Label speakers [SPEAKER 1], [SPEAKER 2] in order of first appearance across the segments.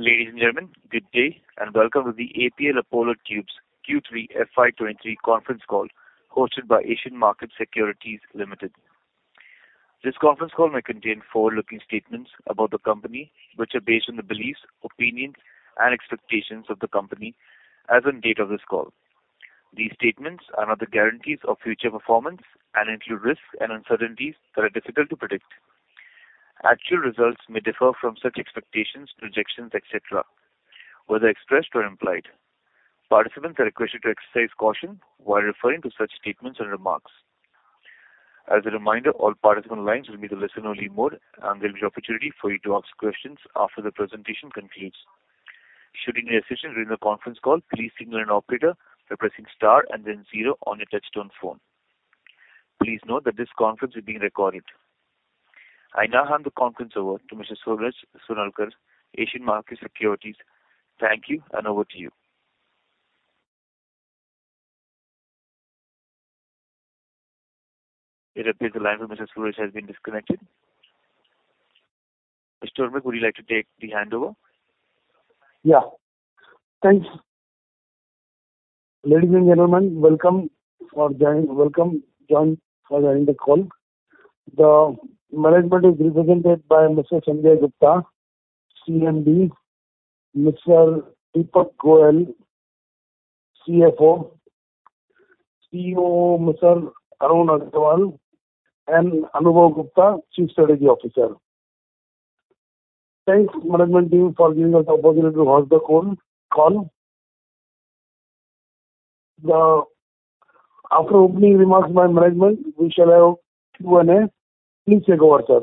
[SPEAKER 1] Ladies and gentlemen, good day, welcome to the APL Apollo Tubes Q3 FY 2023 Conference Call, hosted by Asian Markets Securities Private Limited. This conference call may contain forward-looking statements about the company, which are based on the beliefs, opinions and expectations of the company as on date of this call. These statements are not the guarantees of future performance and include risks and uncertainties that are difficult to predict. Actual results may differ from such expectations, projections, et cetera, whether expressed or implied. Participants are requested to exercise caution while referring to such statements or remarks. As a reminder, all participants on lines will be in the listen only mode, and there will be opportunity for you to ask questions after the presentation concludes. Should you need assistance during the conference call, please signal an operator by pressing star and then zero on your touchtone phone. Please note that this conference is being recorded. I now hand the conference over to Mr. Suraj Sonalkar, Asian Markets Securities. Thank you. Over to you. It appears the line with Mr. Suraj has been disconnected. Mr. Amit, would you like to take the handover?
[SPEAKER 2] Yeah. Thanks. Ladies and gentlemen, welcome join for joining the call. The management is represented by Mr. Sanjay Gupta, CMD, Mr. Deepak Goyal, CFO, CEO Mr. Arun Agarwal and Anubhav Gupta, Chief Strategy Officer. Thanks management team for giving us opportunity to host the call. After opening remarks by management, we shall have Q&A. Please take over, sir.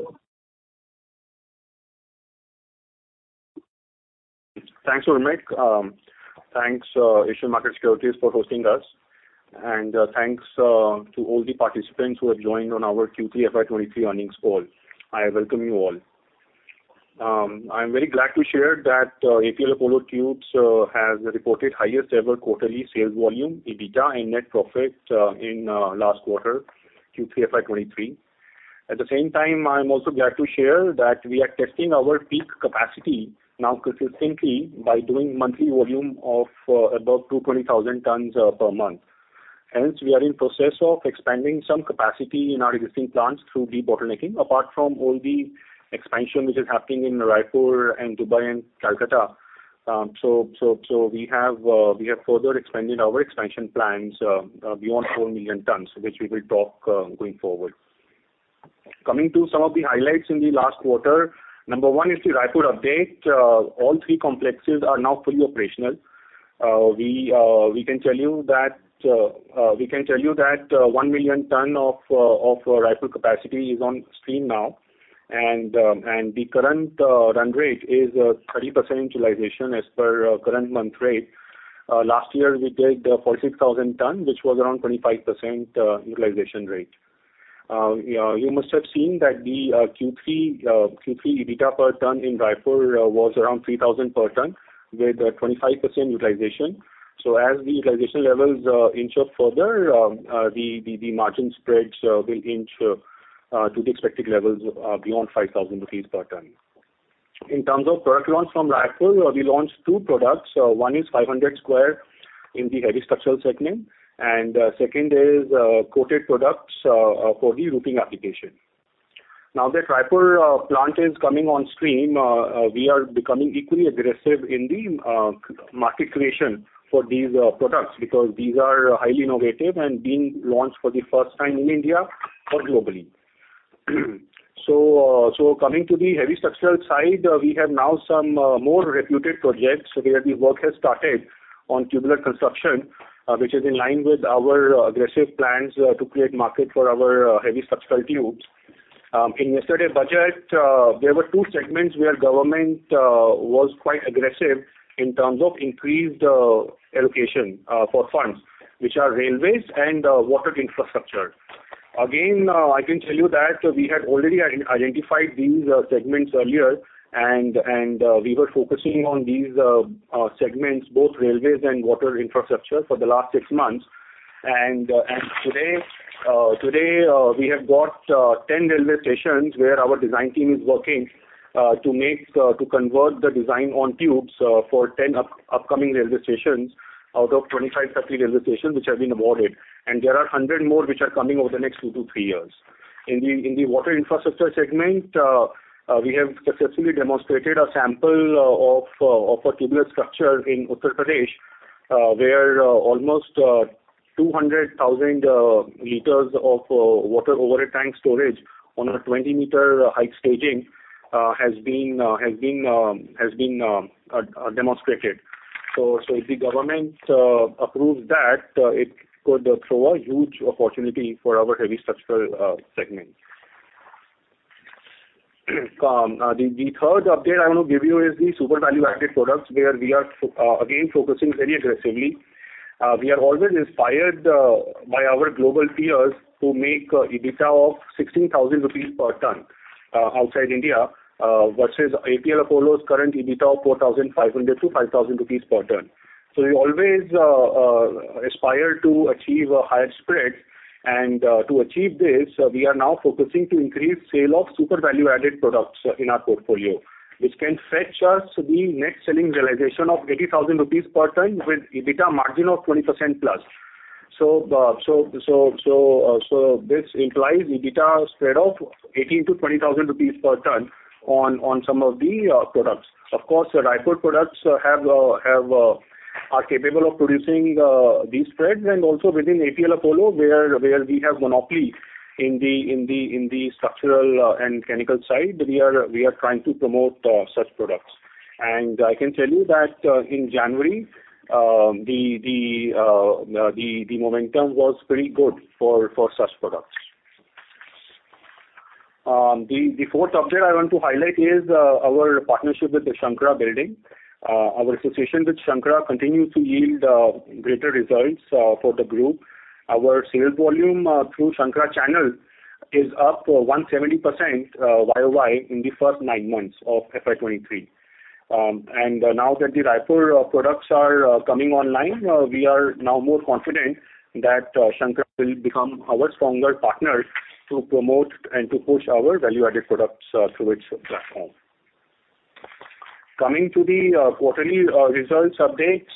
[SPEAKER 3] Thanks, Amit. Thanks, Asian Markets Securities for hosting us. Thanks to all the participants who have joined on our Q3 FY 2023 earnings call. I welcome you all. I'm very glad to share that APL Apollo Tubes has reported highest ever quarterly sales volume, EBITDA and net profit in last quarter, Q3 FY 2023. At the same time, I'm also glad to share that we are testing our peak capacity now consistently by doing monthly volume of above 220,000 tons per month. We are in process of expanding some capacity in our existing plants through debottlenecking, apart from all the expansion which is happening in Raipur and Dubai and Kolkata. We have further expanded our expansion plans beyond four million tons, which we will talk going forward. Coming to some of the highlights in the last quarter, number one is the Raipur update. All three complexes are now fully operational. We can tell you that one million ton of Raipur capacity is on stream now. The current run rate is 30% utilization as per current month rate. Last year, we did 46,000 ton, which was around 25% utilization rate. You know, you must have seen that the Q3 EBITDA per ton in Raipur was around 3,000 per ton with 25% utilization. As the utilization levels inch up further, the margin spreads will inch to the expected levels beyond 5,000 rupees per ton. In terms of product launch from Raipur, we launched two products. One is 500 square in the heavy structural segment, and second is coated products for the roofing application. Now that Raipur plant is coming on stream, we are becoming equally aggressive in the market creation for these products because these are highly innovative and being launched for the first time in India or globally. Coming to the heavy structural side, we have now some more reputed projects where the work has started on tubular construction, which is in line with our aggressive plans to create market for our heavy structural tubes. In yesterday budget, there were two segments where government was quite aggressive in terms of increased allocation for funds, which are railways and water infrastructure. Again, I can tell you that we had already identified these segments earlier and we were focusing on these segments, both railways and water infrastructure for the last six months. Today, we have got 10 railway stations where our design team is working to make, to convert the design on tubes, for 10 upcoming railway stations out of 25 such railway stations which have been awarded. There are 100 more which are coming over the next two to three years. In the water infrastructure segment, we have successfully demonstrated a sample of a tubular structure in Uttar Pradesh, where almost 200,000 liters of water over a tank storage on a 20 meter height staging has been demonstrated. If the government approves that, it could throw a huge opportunity for our heavy structural segment. The third update I want to give you is the super value-added products where we are again focusing very aggressively. We are always inspired by our global peers who make EBITDA of 16,000 rupees per ton outside India versus APL Apollo's current EBITDA of 4,500-5,000 rupees per ton. We always aspire to achieve a higher spread. To achieve this, we are now focusing to increase sale of super value-added products in our portfolio, which can fetch us the net selling realization of 80,000 rupees per ton with EBITDA margin of 20%+. This implies EBITDA spread of 18,000-20,000 rupees per ton on some of the products. Of course, the Raipur products are capable of producing these spreads. Also within APL Apollo, where we have monopoly in the structural and chemical side, we are trying to promote such products. I can tell you that in January, the momentum was pretty good for such products. The fourth update I want to highlight is our partnership with the Shankara Building. Our association with Shankara continues to yield greater results for the group. Our sales volume through Shankara channel is up 170% YOY in the first nine months of FY 2023. Now that the Raipur products are coming online, we are now more confident that Shankara will become our stronger partner to promote and to push our value-added products through its platform. Coming to the quarterly results updates.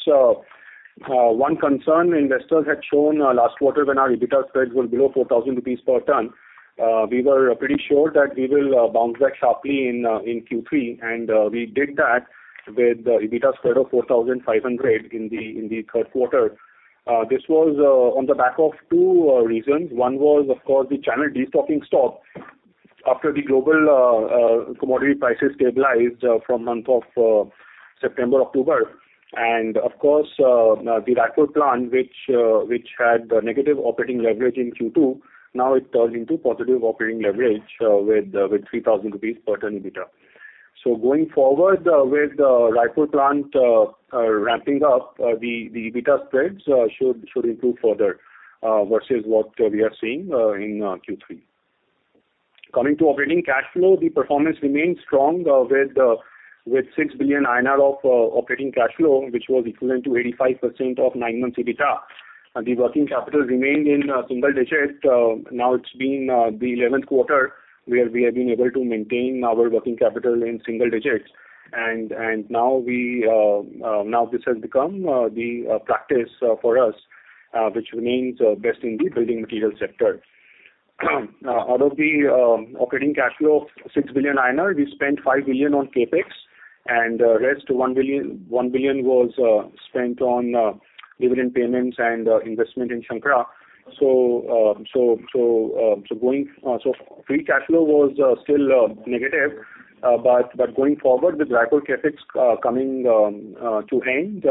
[SPEAKER 3] One concern investors had shown last quarter when our EBITDA spreads were below 4,000 rupees per ton. We were pretty sure that we will bounce back sharply in Q3, we did that with the EBITDA spread of 4,500 in the third quarter. This was on the back of two reasons. One was, of course, the channel destocking stopped after the global commodity prices stabilized from month of September, October. Of course, the Raipur plant, which had negative operating leverage in Q2, now it turns into positive operating leverage with 3,000 rupees per ton EBITDA. Going forward, with the Raipur plant ramping up, the EBITDA spreads should improve further versus what we are seeing in Q3. Coming to operating cash flow, the performance remains strong with 6 billion INR of operating cash flow, which was equivalent to 85% of nine months EBITDA. The working capital remained in single digits. Now it's been the eleventh quarter where we have been able to maintain our working capital in single digits. Now this has become the practice for us, which remains best in the building material sector. Out of the operating cash flow of 6 billion INR, we spent 5 billion on CapEx, and rest 1 billion was spent on dividend payments and investment in Shankara. Free cash flow was still negative. Going forward with Raipur CapEx coming to end,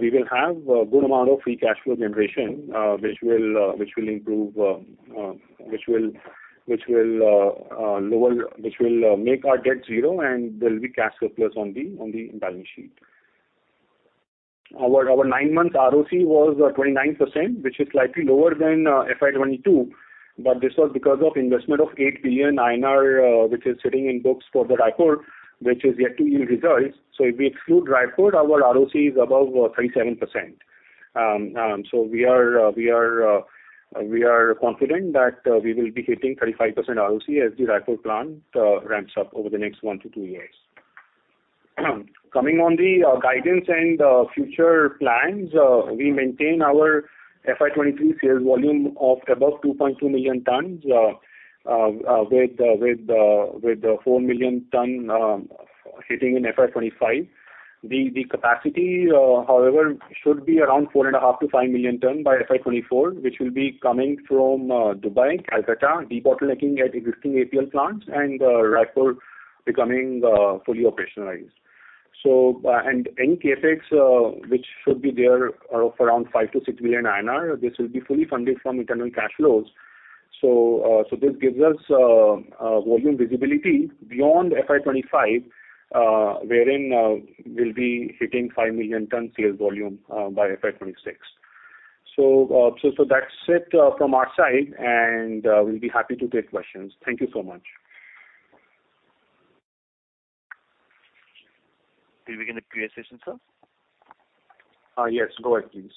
[SPEAKER 3] we will have a good amount of free cash flow generation, which will improve, which will make our debt zero, and there'll be cash surplus on the balance sheet. Our nine months ROC was 29%, which is slightly lower than FY 2022, but this was because of investment of 8 billion INR, which is sitting in books for the Raipur, which is yet to yield results. If we exclude Raipur, our ROC is above 37%. We are confident that we will be hitting 35% ROC as the Raipur plant ramps up over the next one to two years. Coming on the guidance and future plans. We maintain our FY 2023 sales volume of above 2.2 million tons with four million ton hitting in FY 2025. The capacity, however, should be around 4.5 to five million tons by FY 2024, which will be coming from Dubai, Kolkata, debottlenecking at existing APL plants and Raipur becoming fully operationalized. Any CapEx which should be there of around 5 million-6 million INR, this will be fully funded from internal cash flows. This gives us volume visibility beyond FY 2025, wherein we'll be hitting five million tons sales volume by FY 2026. That's it from our side, and we'll be happy to take questions. Thank you so much.
[SPEAKER 1] Do we begin the Q&A session, sir?
[SPEAKER 3] Yes. Go ahead, please.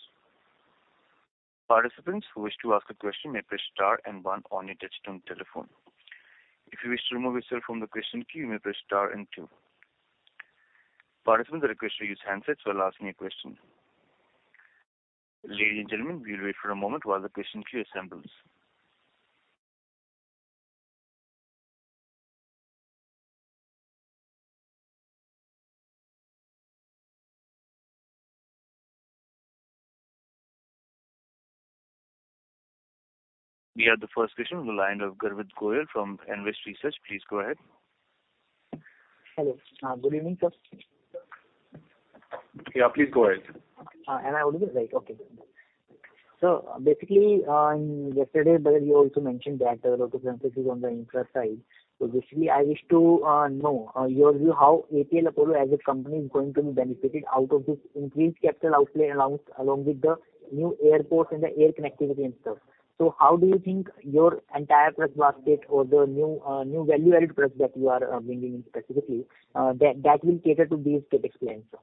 [SPEAKER 1] Participants who wish to ask a question may press star and one on your touchtone telephone. If you wish to remove yourself from the question queue, you may press star and two. Participants are requested to use handsets while asking a question. Ladies and gentlemen, we'll wait for a moment while the question queue assembles. We have the first question on the line of Garvit Goyal from Nvest Research. Please go ahead.
[SPEAKER 4] Hello. Good evening, sir.
[SPEAKER 3] Yeah, please go ahead.
[SPEAKER 4] Am I audible? Right. Okay. Basically, in yesterday's results you also mentioned that a lot of emphasis is on the infra side. Basically, I wish to know your view how APL Apollo as a company is going to be benefited out of this increased capital outlay along with the new airports and the air connectivity and stuff. How do you think your entire product basket or the new value-added products that you are bringing in specifically, that will cater to these CapEx plans, sir?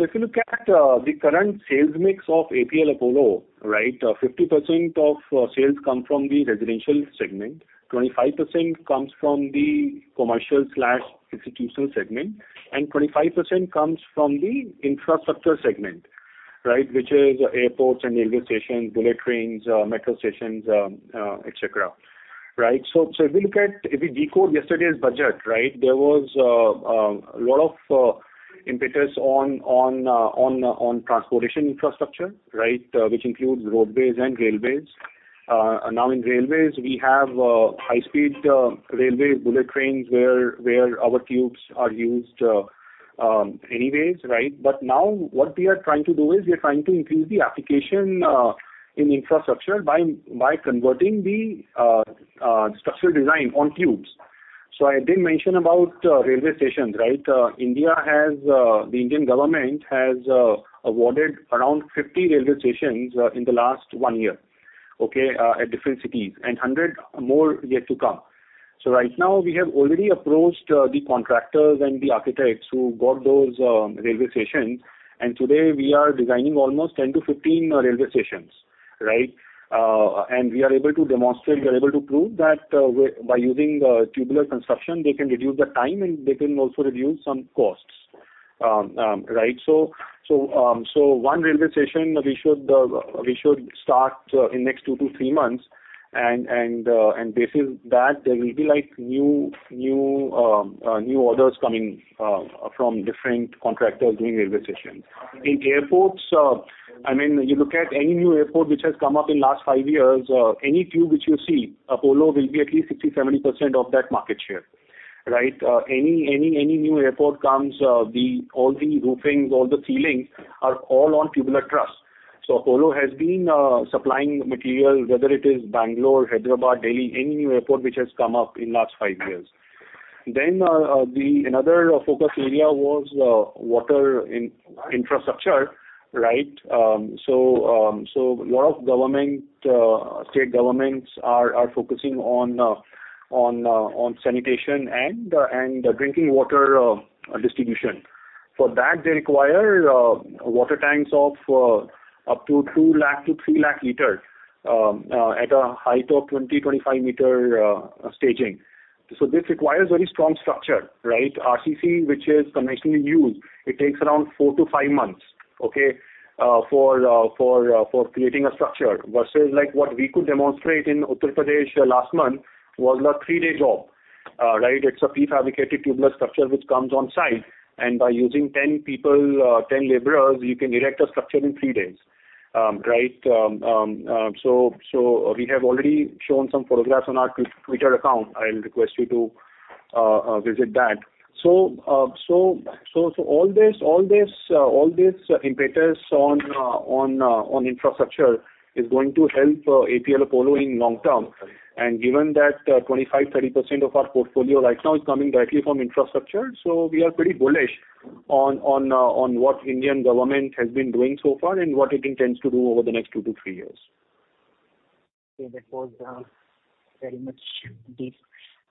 [SPEAKER 3] If you look at the current sales mix of APL Apollo, right, 50% of sales come from the residential segment, 25% comes from the commercial/institutional segment, and 25% comes from the infrastructure segment, right? Which is airports and railway stations, bullet trains, metro stations, et cetera. Right. If you decode yesterday's budget, right, there was a lot of impetus on transportation infrastructure, right? Which includes road base and railways. Now in railways, we have high-speed railway bullet trains, where our tubes are used anyways, right? Now what we are trying to do is we are trying to increase the application in infrastructure by converting the structural design on tubes. I did mention about railway stations, right? India has the Indian government has awarded around 50 railway stations in the last one year at different cities, and 100 more yet to come. Right now we have already approached the contractors and the architects who got those railway stations, and today we are designing almost 10-15 railway stations. Right? We are able to demonstrate, we are able to prove that by using tubular construction, they can reduce the time, and they can also reduce some costs. Right. One railway station we should start in next two-three months. This is that there will be like new orders coming from different contractors doing railway stations. In airports, you look at any new airport which has come up in last five years, any tube which you see, Apollo will be at least 60%-70% of that market share. Right? Any new airport comes, all the roofings, all the ceilings are all on tubular truss. Apollo has been supplying material, whether it is Bangalore, Hyderabad, Delhi, any new airport which has come up in last five years. Another focus area was water infrastructure, right? Lot of government state governments are focusing on sanitation and drinking water distribution. For that, they require water tanks of up to 2 lakh-3 lakh liters at a height of 20-25 meter staging. This requires very strong structure, right? RCC, which is conventionally used, it takes around four to five months for creating a structure. Versus like what we could demonstrate in Uttar Pradesh last month was a three-day job. Right? It's a prefabricated tubular structure which comes on site, and by using 10 people, 10 laborers, you can erect a structure in three days. Right. We have already shown some photographs on our Twitter account. I'll request you to visit that. All this impetus on infrastructure is going to help APL Apollo in long term. Given that 25%-30% of our portfolio right now is coming directly from infrastructure. We are pretty bullish on what Indian government has been doing so far and what it intends to do over the next two to three years.
[SPEAKER 4] Okay. That was very much deep.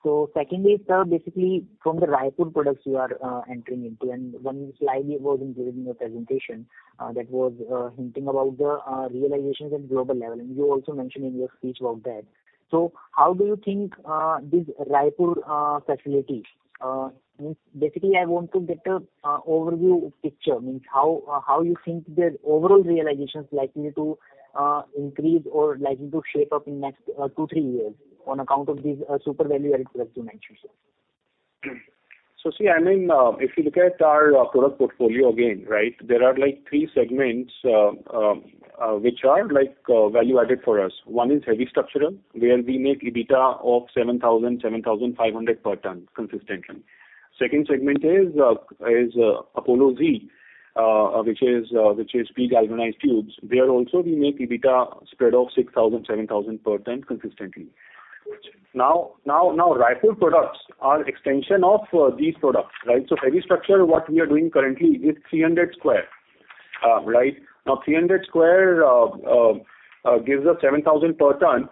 [SPEAKER 4] Secondly, sir, basically from the Raipur products you are entering into, and one slide it was included in your presentation, that was hinting about the realizations at global level, and you also mentioned in your speech about that. How do you think this Raipur facility, basically, I want to get a overview picture, how you think the overall realization is likely to increase or likely to shape up in next two to three years on account of these super value-added products you mentioned, sir?
[SPEAKER 3] See, I mean, if you look at our product portfolio again, right, there are like three segments, which are like value-added for us. One is heavy structural, where we make EBITDA of 7,000-7,500 per ton consistently. Second segment is Apollo Z, which is pre-galvanized tubes. There also we make EBITDA spread of 6,000-7,000 per ton consistently. Now Raipur products are extension of these products, right? Heavy structural, what we are doing currently is 300 square. Right? Now, 300 square gives us 7,000 per ton.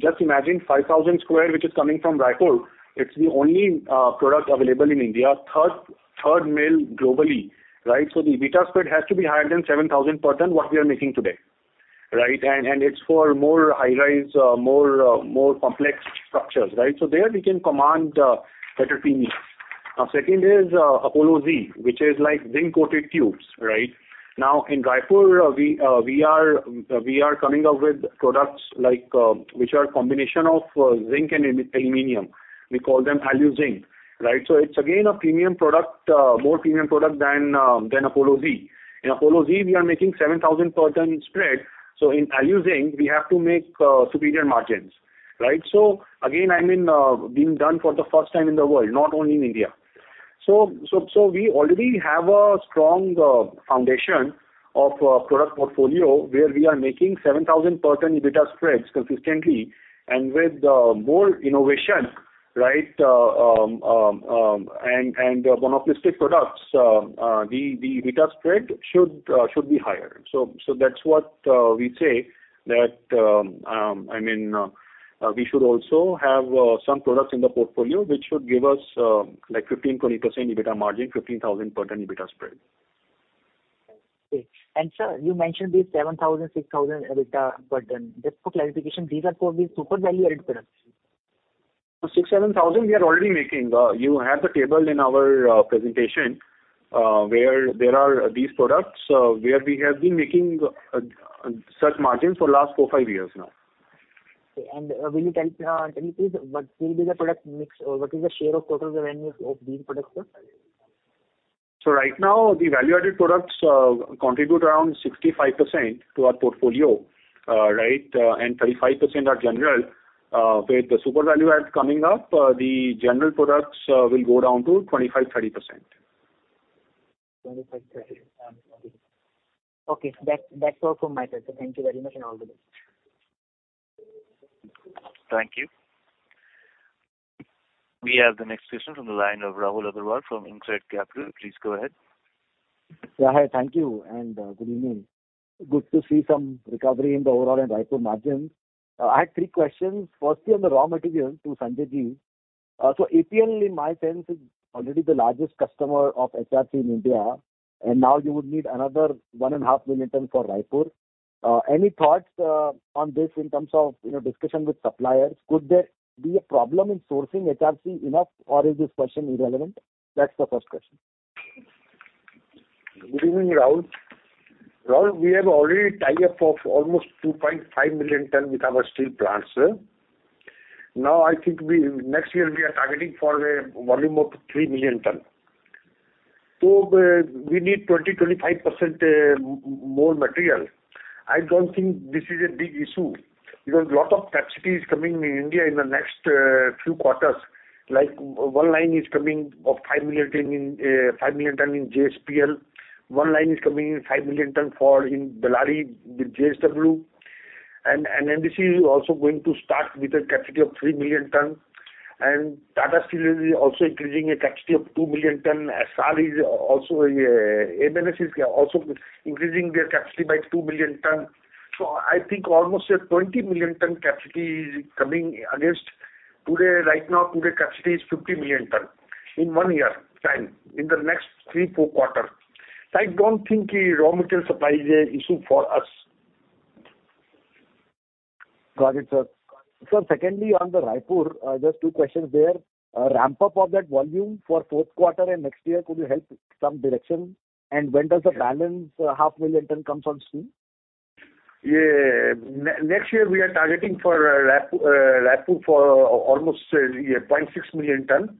[SPEAKER 3] Just imagine 5,000 square, which is coming from Raipur. It's the only product available in India, third mill globally, right? The EBITDA spread has to be higher than 7,000 per ton what we are making today, right? It's for more high-rise, more complex structures, right? There we can command better premium. Second is Apollo Z, which is like zinc-coated tubes, right? In Raipur, we are coming up with products like, which are combination of zinc and aluminum. We call them Alu-Zinc, right? It's again a premium product, more premium product than Apollo Z. In Apollo Z we are making 7,000 per ton spread, in Alu-Zinc we have to make superior margins, right? Again, I mean, being done for the first time in the world, not only in India. We already have a strong foundation of product portfolio, where we are making 7,000 per ton EBITDA spreads consistently. With more innovation, right, and monopolistic products, the EBITDA spread should be higher. That's what we say that, I mean, we should also have some products in the portfolio which should give us like 15%-20% EBITDA margin, 15,000 per ton EBITDA spread.
[SPEAKER 4] Okay. Sir, you mentioned these 7 thousand, 6 thousand EBITDA, just for clarification, these are for the super value-added products.
[SPEAKER 3] 6,000-7,000 we are already making. You have the table in our presentation, where there are these products, where we have been making, such margins for last 4-5 years now.
[SPEAKER 4] Okay. Will you tell me please, what will be the product mix or what is the share of total revenue of these products, sir?
[SPEAKER 3] Right now, the value-added products, contribute around 65% to our portfolio, right, and 35% are general. With the super value-adds coming up, the general products, will go down to 25%-30%.
[SPEAKER 4] 25%-30%. Okay. Okay, that's all from my side, sir. Thank you very much and all the best.
[SPEAKER 1] Thank you. We have the next question from the line of Rahul Agarwal from InCred Capital. Please go ahead.
[SPEAKER 5] Yeah, hi. Thank you, and good evening. Good to see some recovery in the overall and Raipur margins. I had three questions. Firstly, on the raw material to Sanjay Ji. APL, in my sense, is already the largest customer of HRC in India, and now you would need another 1.5 million tons for Raipur. Any thoughts on this in terms of, you know, discussion with suppliers? Could there be a problem in sourcing HRC enough, or is this question irrelevant? That's the first question.
[SPEAKER 6] Good evening, Rahul. Rahul, we have already tie-up of almost 2.5 million ton with our steel plants, sir. I think next year we are targeting for a volume of three million ton. We need 20-25% more material. I don't think this is a big issue because lot of capacity is coming in India in the next few quarters. Like one line is coming of five million ton in five million ton in JSPL. One line is coming in five million ton for in Bellary with JSW. MBC is also going to start with a capacity of three million ton. Tata Steel is also increasing a capacity of two million ton. Essar is also. MNL is also increasing their capacity by two million ton. I think almost 20 million ton capacity is coming against today. Right now, today capacity is 50 million ton in one year time, in the next three, four quarter. I don't think the raw material supply is a issue for us.
[SPEAKER 5] Got it, sir. Sir, secondly, on the Raipur, just two questions there. ramp up of that volume for fourth quarter and next year, could you help some direction? When does the balance 500,000 ton comes on stream?
[SPEAKER 6] Yeah. next year we are targeting for Raipur for almost 0.6 million tons.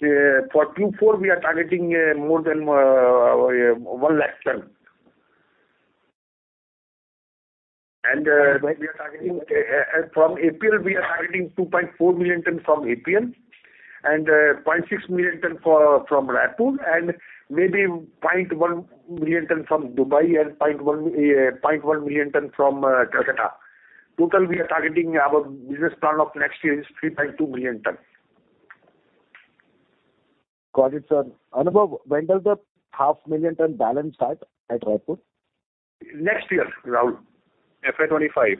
[SPEAKER 6] for Q4 we are targeting more than 1 lakh tons. we are targeting
[SPEAKER 5] Got it.
[SPEAKER 6] From APL, we are targeting 2.4 million ton from APL and 0.6 million ton from Raipur and maybe 0.1 million ton from Dubai and 0.1 million ton from Kolkata. Total we are targeting our business plan of next year is 3.2 million ton.
[SPEAKER 5] Got it, sir. Anubhav, when does the 500,000 tons balance start at Raipur?
[SPEAKER 6] Next year, Rahul.
[SPEAKER 3] FY 2025.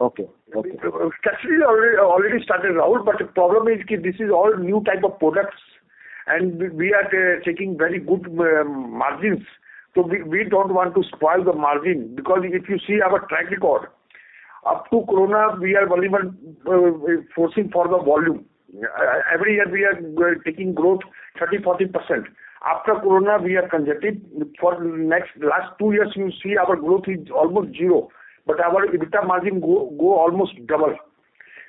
[SPEAKER 5] Okay. Okay.
[SPEAKER 6] Capacity already started, Rahul. The problem is this is all new type of products, we are taking very good margins. We don't want to spoil the margin because if you see our track record, up to Corona, we are only focusing for the volume. Every year we are taking growth 30%, 40%. After Corona, we are congested. Last two years, you see our growth is almost zero. Our EBITDA margin go almost double.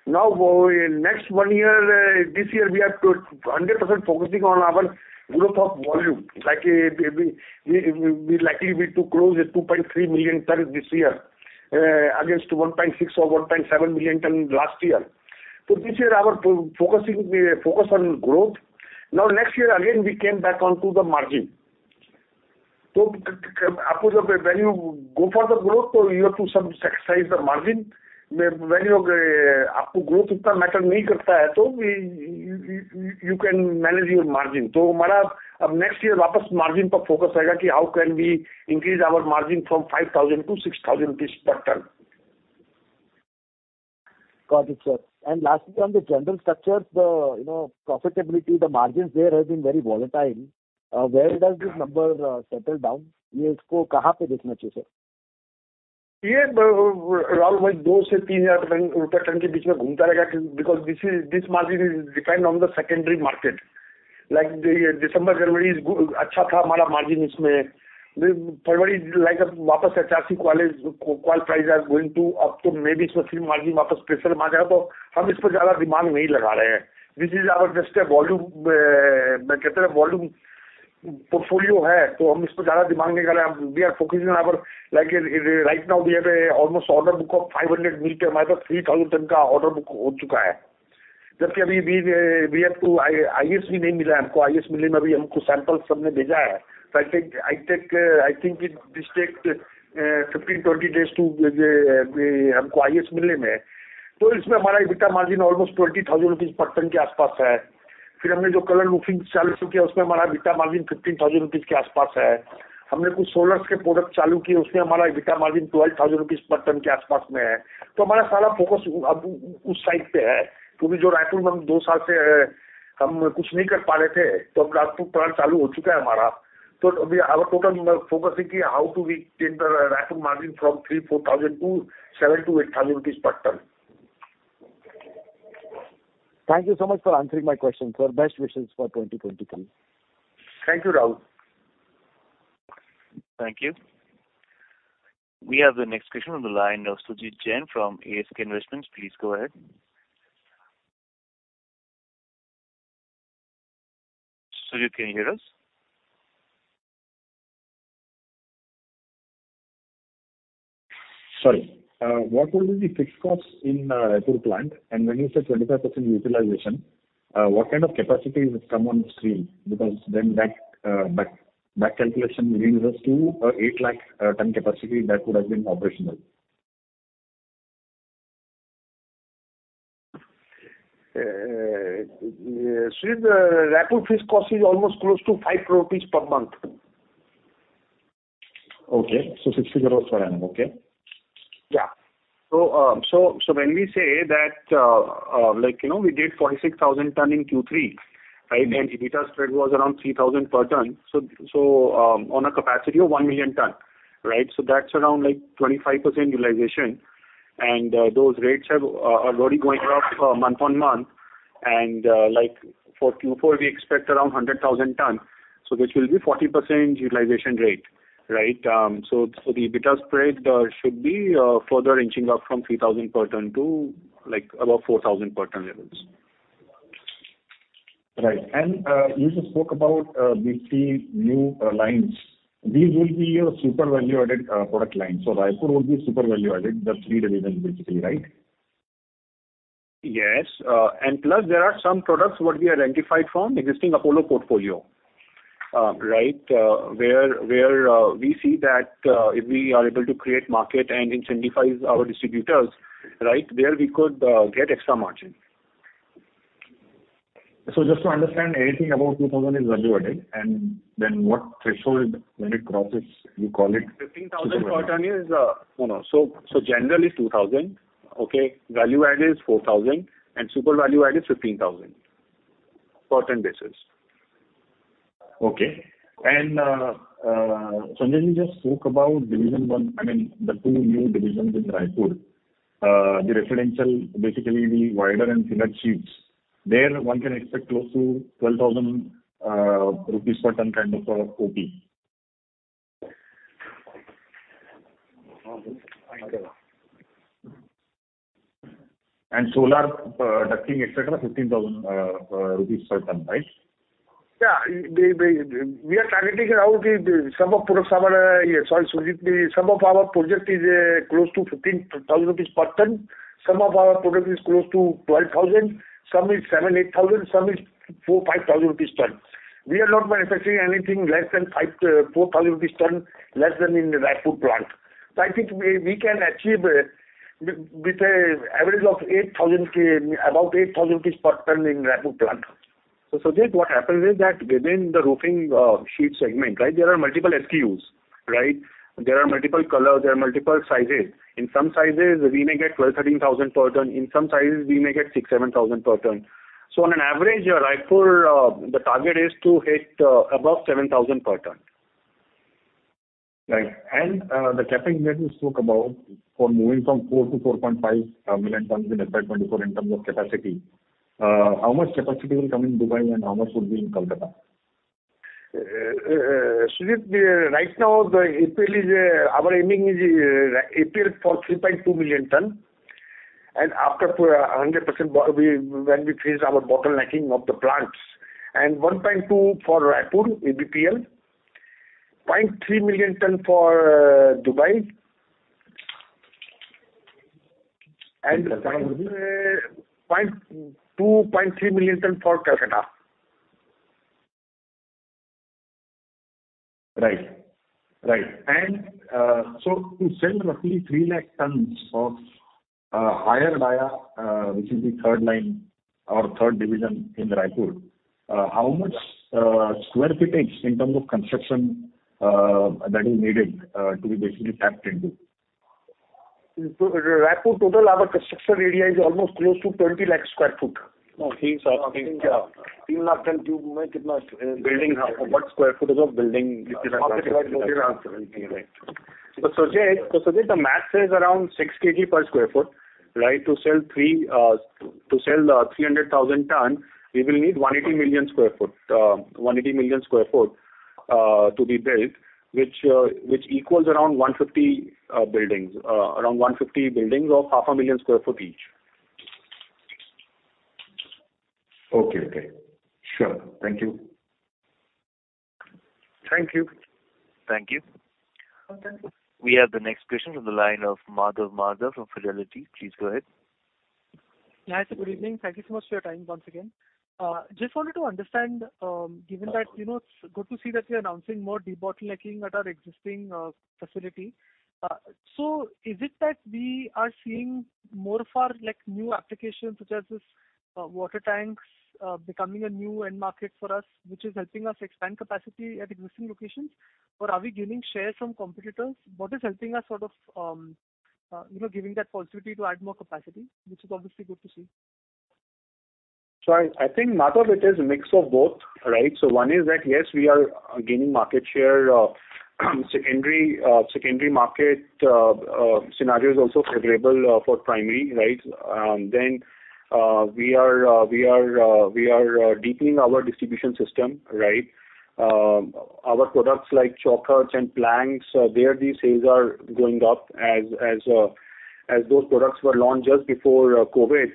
[SPEAKER 6] Next one year, this year we are to 100% focusing on our growth of volume. Like we likely be to close at 2.3 million ton this year, against 1.6 million ton or 1.7 million ton last year. This year our focusing will be a focus on growth. Next year again we came back onto the margin. When you go for the growth, you have to some sacrifice the margin. When you can manage your margin. How can we increase our margin from 5,000 to 6,000 per ton?
[SPEAKER 5] Got it, sir. Lastly, on the general structures, you know, profitability, the margins there has been very volatile. Where does this number settle down?
[SPEAKER 6] This is, this margin is dependent on the secondary market. Like the December, February is good. February like HRC coil price are going to up. Maybe this is our just a volume portfolio. We are focusing on our. Like, right now we have a almost order book of 500 meter. order book. IS also. I think it this take 15, 20 days to IS. EBITDA margin almost INR 20,000 per ton. EBITDA margin INR 15,000. solar product. EBITDA margin INR 12,000 per ton. Raipur. We were not able to do anything. Now our Raipur plant has started. We are totally focusing how do we change the Raipur margin from 3,000-4,000 to 7,000-8,000 per ton.
[SPEAKER 5] Thank you so much for answering my question. Sir, best wishes for 2023.
[SPEAKER 6] Thank you, Rahul.
[SPEAKER 1] Thank you. We have the next question on the line of Sumit Jain from ASK Investments. Please go ahead. Sumit, can you hear us?
[SPEAKER 7] Sorry. What will be the fixed cost in Raipur plant? When you say 25% utilization, what kind of capacity will come on stream? That calculation leads us to 8 lakh ton capacity that would have been operational.
[SPEAKER 6] Sumit, Raipur fixed cost is almost close to 5 crore rupees per month.
[SPEAKER 7] Okay. 60 crores per annum, okay.
[SPEAKER 3] Yeah. So when we say that, like, you know, we did 46,000 ton in Q3, right? EBITDA spread was around 3,000 per ton, so on a capacity of one million ton, right? That's around like 25% utilization. Those rates are already going up month-on-month. Like for Q4, we expect around 100,000 ton, so which will be 40% utilization rate, right? The EBITDA spread should be further inching up from 3,000 per ton to, like, above 4,000 per ton levels.
[SPEAKER 7] Right. you just spoke about these three new lines. These will be your super value-added product lines. Raipur will be super value added, the three divisions basically, right?
[SPEAKER 3] Yes. Plus there are some products what we identified from existing Apollo portfolio, right? Where, where, we see that, if we are able to create market and incentivize our distributors, right, there we could get extra margin.
[SPEAKER 7] Just to understand, anything above 2,000 is value-added, and then what threshold when it crosses you call it super value?
[SPEAKER 3] 15,000 per ton is. No, no. General is 2,000, okay? Value-add is 4,000, and super value-add is 15,000, per ton basis.
[SPEAKER 7] Okay. Sanjay, you just spoke about division one, I mean, the two new divisions in Raipur. The residential, basically the wider and thinner sheets. There one can expect close to 12,000 rupees per ton kind of, OP. Solar, ducting et cetera, 15,000 rupees per ton, right?
[SPEAKER 6] Yeah. The, we are targeting around the some of products our... Sorry, Sumit. The some of our project is close to 15,000 rupees per ton. Some of our product is close to 12,000, some is 7,000-8,000, some is 4,000-5,000 rupees per ton. We are not manufacturing anything less than 4,000 rupees per ton, less than in the Raipur plant. I think we can achieve with a average of about 8,000 per ton in Raipur plant.
[SPEAKER 3] Sumit, what happens is that within the roofing, sheet segment, right, there are multiple SKUs, right? There are multiple colors, there are multiple sizes. In some sizes we may get 12,000-13,000 per ton. In some sizes we may get 6,000-7,000 per ton. On an average, Raipur, the target is to hit above 7,000 per ton.
[SPEAKER 7] Right. The capping that you spoke about for moving from 4-4.5 million tons in FY 2024 in terms of capacity, how much capacity will come in Dubai and how much would be in Kolkata?
[SPEAKER 6] Sumit, right now the IPL is our aiming is IPL for 3.2 million ton. After 100% we, when we finish our bottlenecking of the plants. 1.2 for Raipur, ADPL. 0.3 million ton for Dubai. 0.2, 0.3 million ton for Kolkata.
[SPEAKER 7] Right. Right. So to sell roughly 3 lakh tons of higher dia, which is the third line or third division in Raipur, how much square footage in terms of construction, that is needed to be basically tapped into?
[SPEAKER 6] In Raipur total our construction area is almost close to 20 lakh sq ft.
[SPEAKER 3] No, three.
[SPEAKER 6] Yeah. 3 lakh tons to make it much.
[SPEAKER 3] Building, how, what square foot is of building? Sumit, the math says around 6 kg per sq ft, right? To sell three, to sell 300,000 tons, we will need 180 million sq ft. 180 million sq ft to be built, which equals around 150 buildings of half a million square foot each.
[SPEAKER 7] Okay, okay. Sure. Thank you.
[SPEAKER 6] Thank you.
[SPEAKER 1] Thank you. We have the next question on the line of Madhav Marda from Fidelity. Please go ahead.
[SPEAKER 8] Hi, sir. Good evening. Thank you so much for your time once again. Just wanted to understand, given that, you know, it's good to see that you're announcing more debottlenecking at our existing facility. Is it that we are seeing more for like new applications such as this, water tanks, becoming a new end market for us, which is helping us expand capacity at existing locations? Are we gaining share from competitors? What is helping us sort of, you know, giving that positivity to add more capacity, which is obviously good to see.
[SPEAKER 3] I think, Madhav, it is a mix of both, right? One is that, yes, we are gaining market share. secondary market scenario is also favorable for primary, right? We are deepening our distribution system, right? Our products like Chaukhats and blanks, there the sales are going up as those products were launched just before COVID.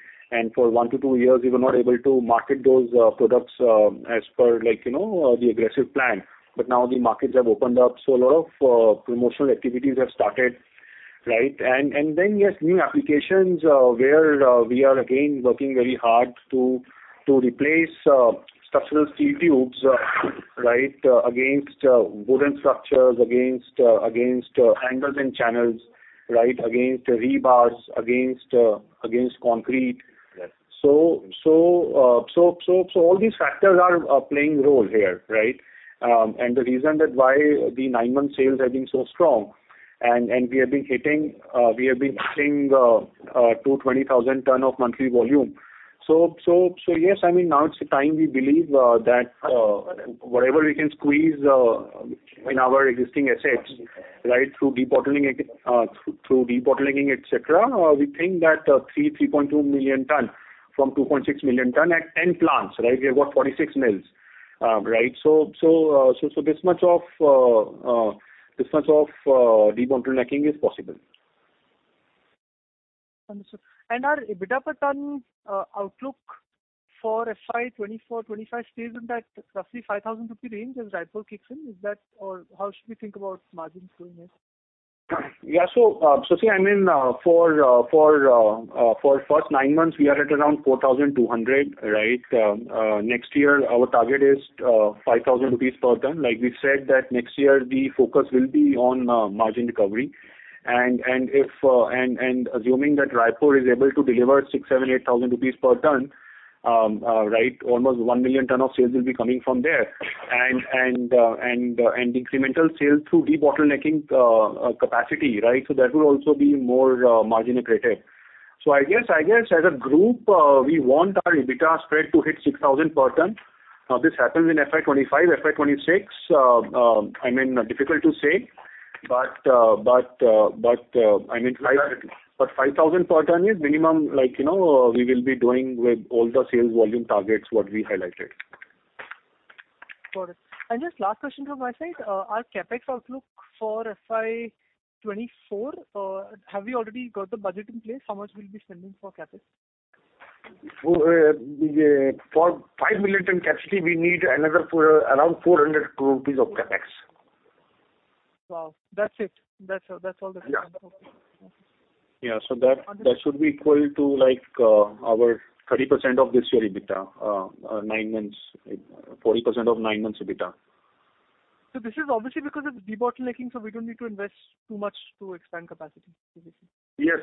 [SPEAKER 3] For one to two years we were not able to market those products as per like, you know, the aggressive plan. Now the markets have opened up, a lot of promotional activities have started, right? Yes, new applications, where we are again working very hard to replace structural steel tubes, right, against wooden structures, against angles and channels, right, against rebars, against concrete.
[SPEAKER 8] Yes.
[SPEAKER 3] All these factors are playing role here, right? The reason that why the nine-month sales have been so strong and we have been hitting 220,000 ton of monthly volume. I mean, now it's the time we believe that whatever we can squeeze in our existing assets, right, through debottlenecking, et cetera, we think that 3.2 million ton from 2.6 million ton at 10 plants, right? We have got 46 mills, right? This much of debottlenecking is possible.
[SPEAKER 8] Understood. Our EBITDA per ton, outlook for FY 2024, 2025 stays in that roughly 5,000 rupee range as Raipur kicks in. Is that or how should we think about margins growing here?
[SPEAKER 3] Yeah. I mean, for first nine months we are at around 4,200, right? Next year our target is 5,000 rupees per ton. Like we said that next year the focus will be on margin recovery. If assuming that Raipur is able to deliver 6,000-8,000 rupees per ton, right, almost one million ton of sales will be coming from there. Incremental sales through debottlenecking capacity, right? That will also be more margin accretive. I guess as a group, we want our EBITDA spread to hit 6,000 per ton. This happens in FY 2025. FY 2026, I mean, difficult to say. but, I mean...
[SPEAKER 8] Right.
[SPEAKER 3] 5,000 per ton is minimum. Like, you know, we will be doing with all the sales volume targets what we highlighted.
[SPEAKER 8] Got it. Just last question from my side. Our CapEx outlook for FY 2024, have you already got the budget in place? How much we'll be spending for CapEx?
[SPEAKER 3] For five million ton capacity we need around 400 crores rupees of CapEx.
[SPEAKER 8] Wow. That's it. That's.
[SPEAKER 3] Yeah.
[SPEAKER 8] Okay.
[SPEAKER 3] Yeah. that.
[SPEAKER 8] Understood.
[SPEAKER 3] That should be equal to like, our 30% of this year EBITDA, nine months, 40% of nine months EBITDA.
[SPEAKER 8] This is obviously because it's debottlenecking, so we don't need to invest too much to expand capacity, basically.
[SPEAKER 3] Yes.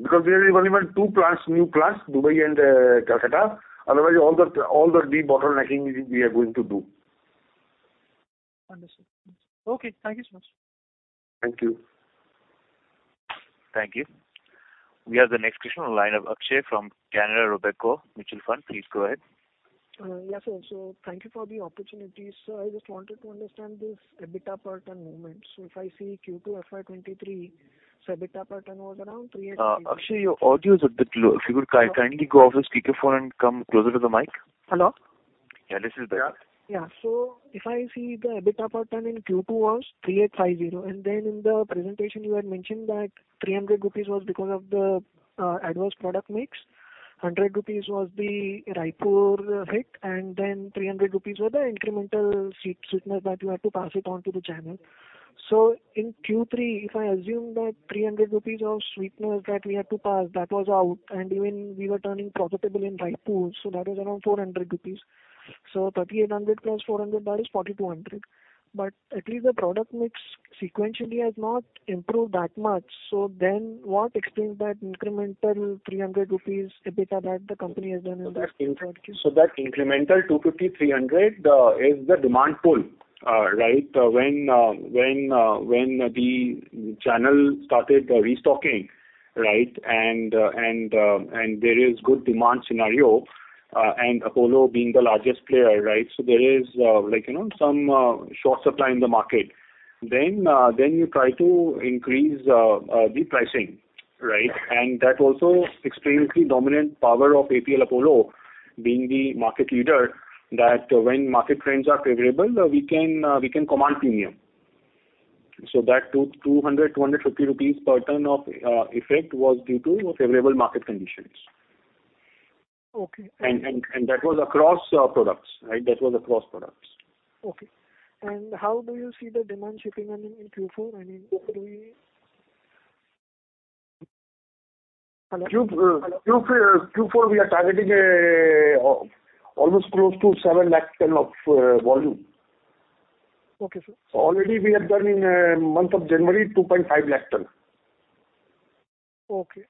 [SPEAKER 3] Because we are only with two plants, new plants, Dubai and Kolkata. Otherwise, all the debottlenecking we are going to do.
[SPEAKER 8] Understood. Okay. Thank you so much.
[SPEAKER 3] Thank you.
[SPEAKER 1] Thank you. We have the next question on the line of Akshay from Canara Robeco Mutual Fund. Please go ahead.
[SPEAKER 9] Yes, sir. Thank you for the opportunity. I just wanted to understand this EBITDA per ton movement. If I see Q2 FY 2023, EBITDA per ton was around INR 38-.
[SPEAKER 1] Akshay, your audio is a bit low. If you could kindly go off this speakerphone and come closer to the mic.
[SPEAKER 9] Hello?
[SPEAKER 3] Yeah, this is better.
[SPEAKER 9] Yeah. If I see the EBITDA per ton in Q2 was 3,850. In the presentation you had mentioned that 300 rupees was because of the adverse product mix, 100 rupees was the Raipur hit, and then 300 rupees were the incremental sweetness that you had to pass it on to the channel. In Q3, if I assume that 300 rupees of sweetness that we had to pass that was out, and even we were turning profitable in Raipur, that was around 400 rupees. 3,800 plus 400, that is 4,200. At least the product mix sequentially has not improved that much. What explains that incremental 300 rupees EBITDA that the company has done in Q3?
[SPEAKER 3] That incremental INR 250, INR 300 is the demand pull. When the channel started restocking. There is good demand scenario and APL Apollo being the largest player. There is, like, you know, some short supply in the market. Then you try to increase the pricing. That also explains the dominant power of APL Apollo being the market leader, that when market trends are favorable, we can command premium. That 200-250 rupees per ton of effect was due to favorable market conditions.
[SPEAKER 9] Okay.
[SPEAKER 3] That was across products, right? That was across products.
[SPEAKER 9] Okay. How do you see the demand shaping, I mean, in Q4? I mean, do we... Hello?
[SPEAKER 3] Q3, Q4 we are targeting almost close to 7 lakh ton of volume.
[SPEAKER 9] Okay, sir.
[SPEAKER 3] Already we have done in month of January 2.5 lakh tons.
[SPEAKER 9] Okay.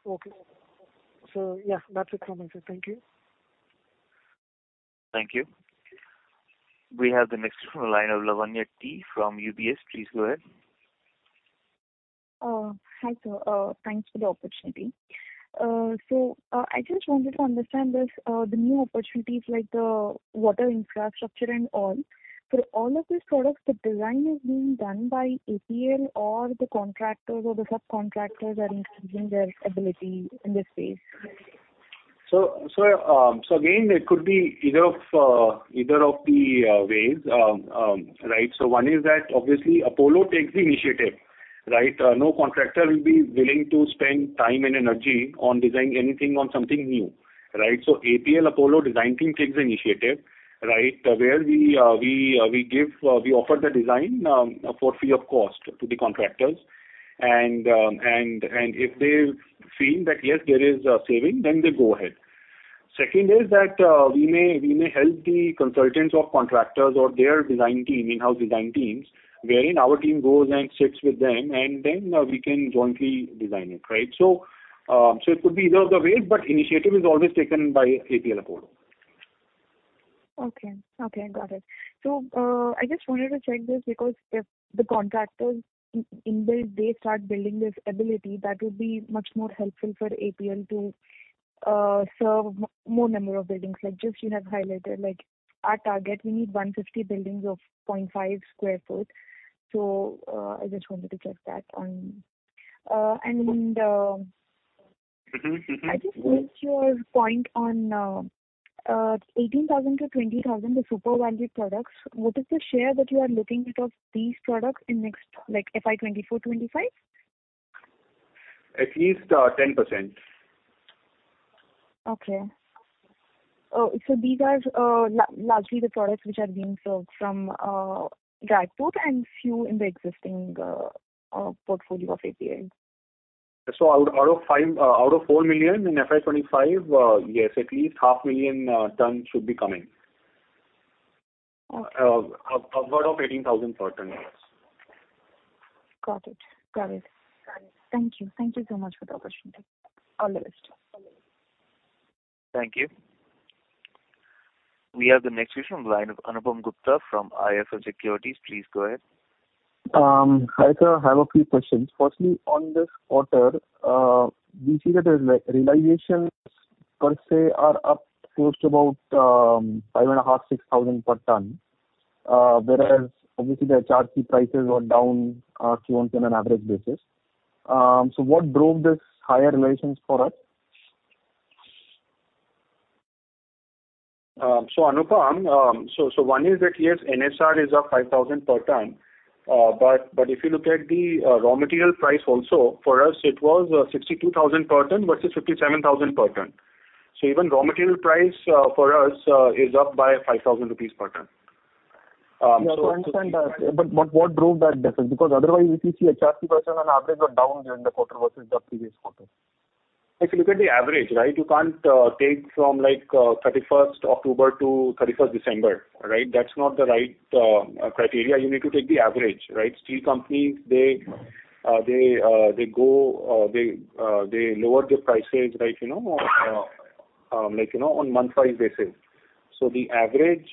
[SPEAKER 9] Yeah, that's it from my side. Thank you.
[SPEAKER 1] Thank you. We have the next line of Lavanya T from UBS. Please go ahead.
[SPEAKER 10] Hi, sir. Thanks for the opportunity. I just wanted to understand this, the new opportunities like the water infrastructure and all. For all of these products, the design is being done by APL or the contractors or the subcontractors are increasing their ability in this space.
[SPEAKER 3] Again, it could be either of the ways. Right. One is that obviously Apollo takes the initiative, right? No contractor will be willing to spend time and energy on designing anything on something new, right? APL Apollo design team takes the initiative, right? Where we offer the design for free of cost to the contractors. If they feel that yes, there is a saving, then they go ahead. Second is that we may help the consultants or contractors or their design team, in-house design teams, wherein our team goes and sits with them, and then we can jointly design it, right? It could be either of the ways, but initiative is always taken by APL Apollo.
[SPEAKER 11] Okay. Okay, got it. I just wanted to check this because if the contractors in-built, they start building this ability, that will be much more helpful for APL to serve more number of buildings. Like, just you have highlighted, like our target, we need 150 buildings of 0.5 sq ft. I just wanted to check that on.
[SPEAKER 3] Mm-hmm. Mm-hmm.
[SPEAKER 10] I just missed your point on, 18,000-20,000, the super valued products. What is the share that you are looking at of these products in next, like FY 2024, FY 2025?
[SPEAKER 3] At least, 10%.
[SPEAKER 10] These are largely the products which are being served from Dadri and few in the existing portfolio of APL.
[SPEAKER 3] Out of five, out of four million in FY 2025, yes, at least half million ton should be coming.
[SPEAKER 10] Okay.
[SPEAKER 3] Upward of 18,000 per ton, yes.
[SPEAKER 10] Got it. Thank you. Thank you so much for the opportunity. All the best.
[SPEAKER 1] Thank you. We have the next question on the line of Anupam Gupta from IIFL Securities. Please go ahead.
[SPEAKER 12] Hi sir, I have a few questions. Firstly, on this quarter, we see that the realizations per se are up close to about five and a half thousand, six thousand per ton. Obviously the HRC prices were down to on an average basis. What drove this higher realizations for us?
[SPEAKER 3] Anupam, so one is that yes, NSR is up 5,000 per ton. If you look at the raw material price also for us it was 62,000 per ton versus 57,000 per ton. Even raw material price for us is up by 5,000 rupees per ton.
[SPEAKER 12] Yeah, I understand that. What drove that difference? Otherwise we see HRC prices on average are down during the quarter versus the previous quarter.
[SPEAKER 3] If you look at the average, right, you can't take from like 31st October to 31st December, right? That's not the right criteria. You need to take the average, right? Steel companies, they go they lower their prices, like, you know, like, you know, on month-wise basis. So the average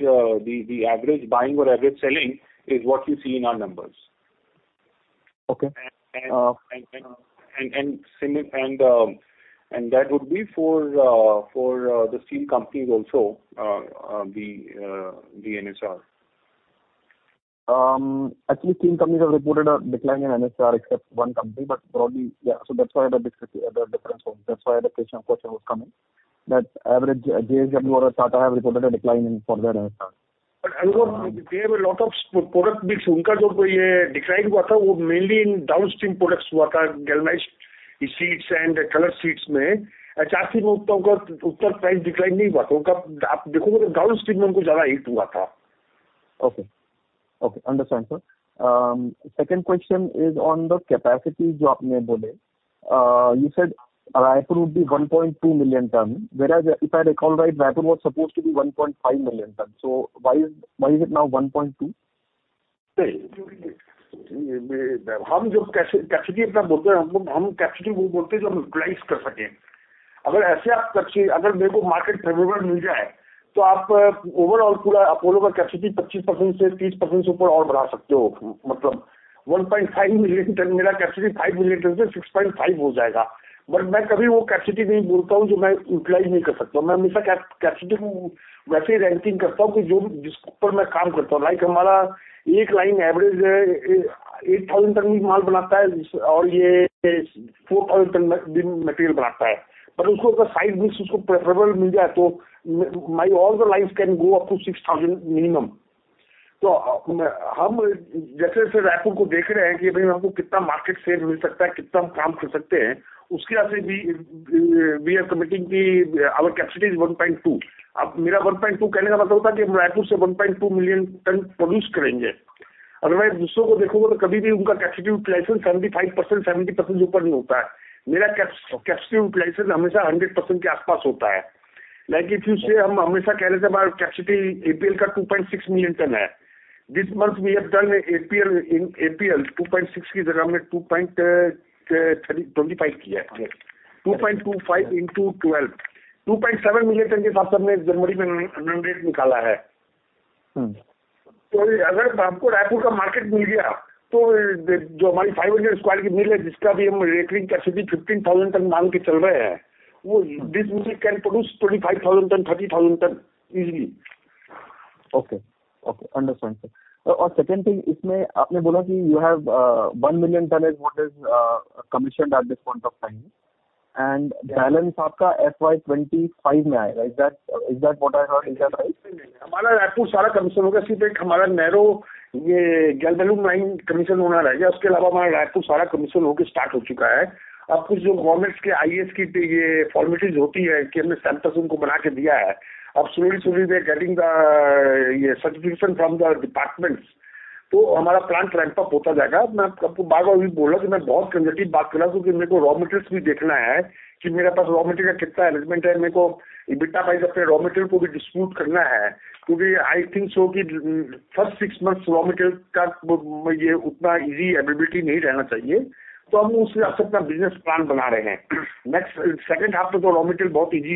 [SPEAKER 3] buying or average selling is what you see in our numbers.
[SPEAKER 12] Okay.
[SPEAKER 3] That would be for the steel companies also, the NSR.
[SPEAKER 12] Actually, steel companies have reported a decline in NSR except one company, but broadly, yeah, so that's why the difference was. That's why the question, of course, was coming. That average JSW or Tata have reported a decline in for their NSR.
[SPEAKER 3] Anupam, they have a lot of product mix.
[SPEAKER 12] Okay. Understand, sir. second question is on the capacity
[SPEAKER 3] Say, Like, if you say.
[SPEAKER 6] This month we have done in APL 2.6 की जगह हमने 2.25 किया है. 2.25 into 12. 2.7 million ton की sir हमने January में run rate निकाला है. अगर आपको Raipur का market मिल गया तो जो हमारी 500 square की mill है जिसका अभी हम recurring capacity 15,000 ton मांग कर चल रहे हैं. This mill can produce 25,000 ton, 30,000 ton easily.
[SPEAKER 12] Okay, okay understand sir. Second thing इसमें आपने बोला कि you have one million ton is what is commissioned at this point of time and balance आपका FY 2025 में आएगा. Is that what I heard you right?
[SPEAKER 6] नहीं, नहीं. हमारा रायपुर सारा commission होगा. सिर्फ हमारा narrow ये Galvalume line commission होना रहेगा. उसके अलावा हमारा रायपुर सारा commission होकर start हो चुका है. कुछ जो government के IAS की formalities होती हैं कि हमने stamp prism उनको बना के दिया है. Slowly, slowly we are getting the certification from the departments. हमारा plant ramp up होता जाएगा। मैं आपको बार-बार अभी बोला कि मैं बहुत conservative बात कर रहा हूं क्योंकि मेरे को raw materials भी देखना है कि मेरे पास raw material का कितना arrangement है। मेरे को EBITDA wise अपने raw material को भी distribute करना है। I think so कि first six months raw material का यह उतना easy availability नहीं रहना चाहिए। हम उसके हिसाब से अपना business plan बना रहे हैं। Second half में raw material बहुत easy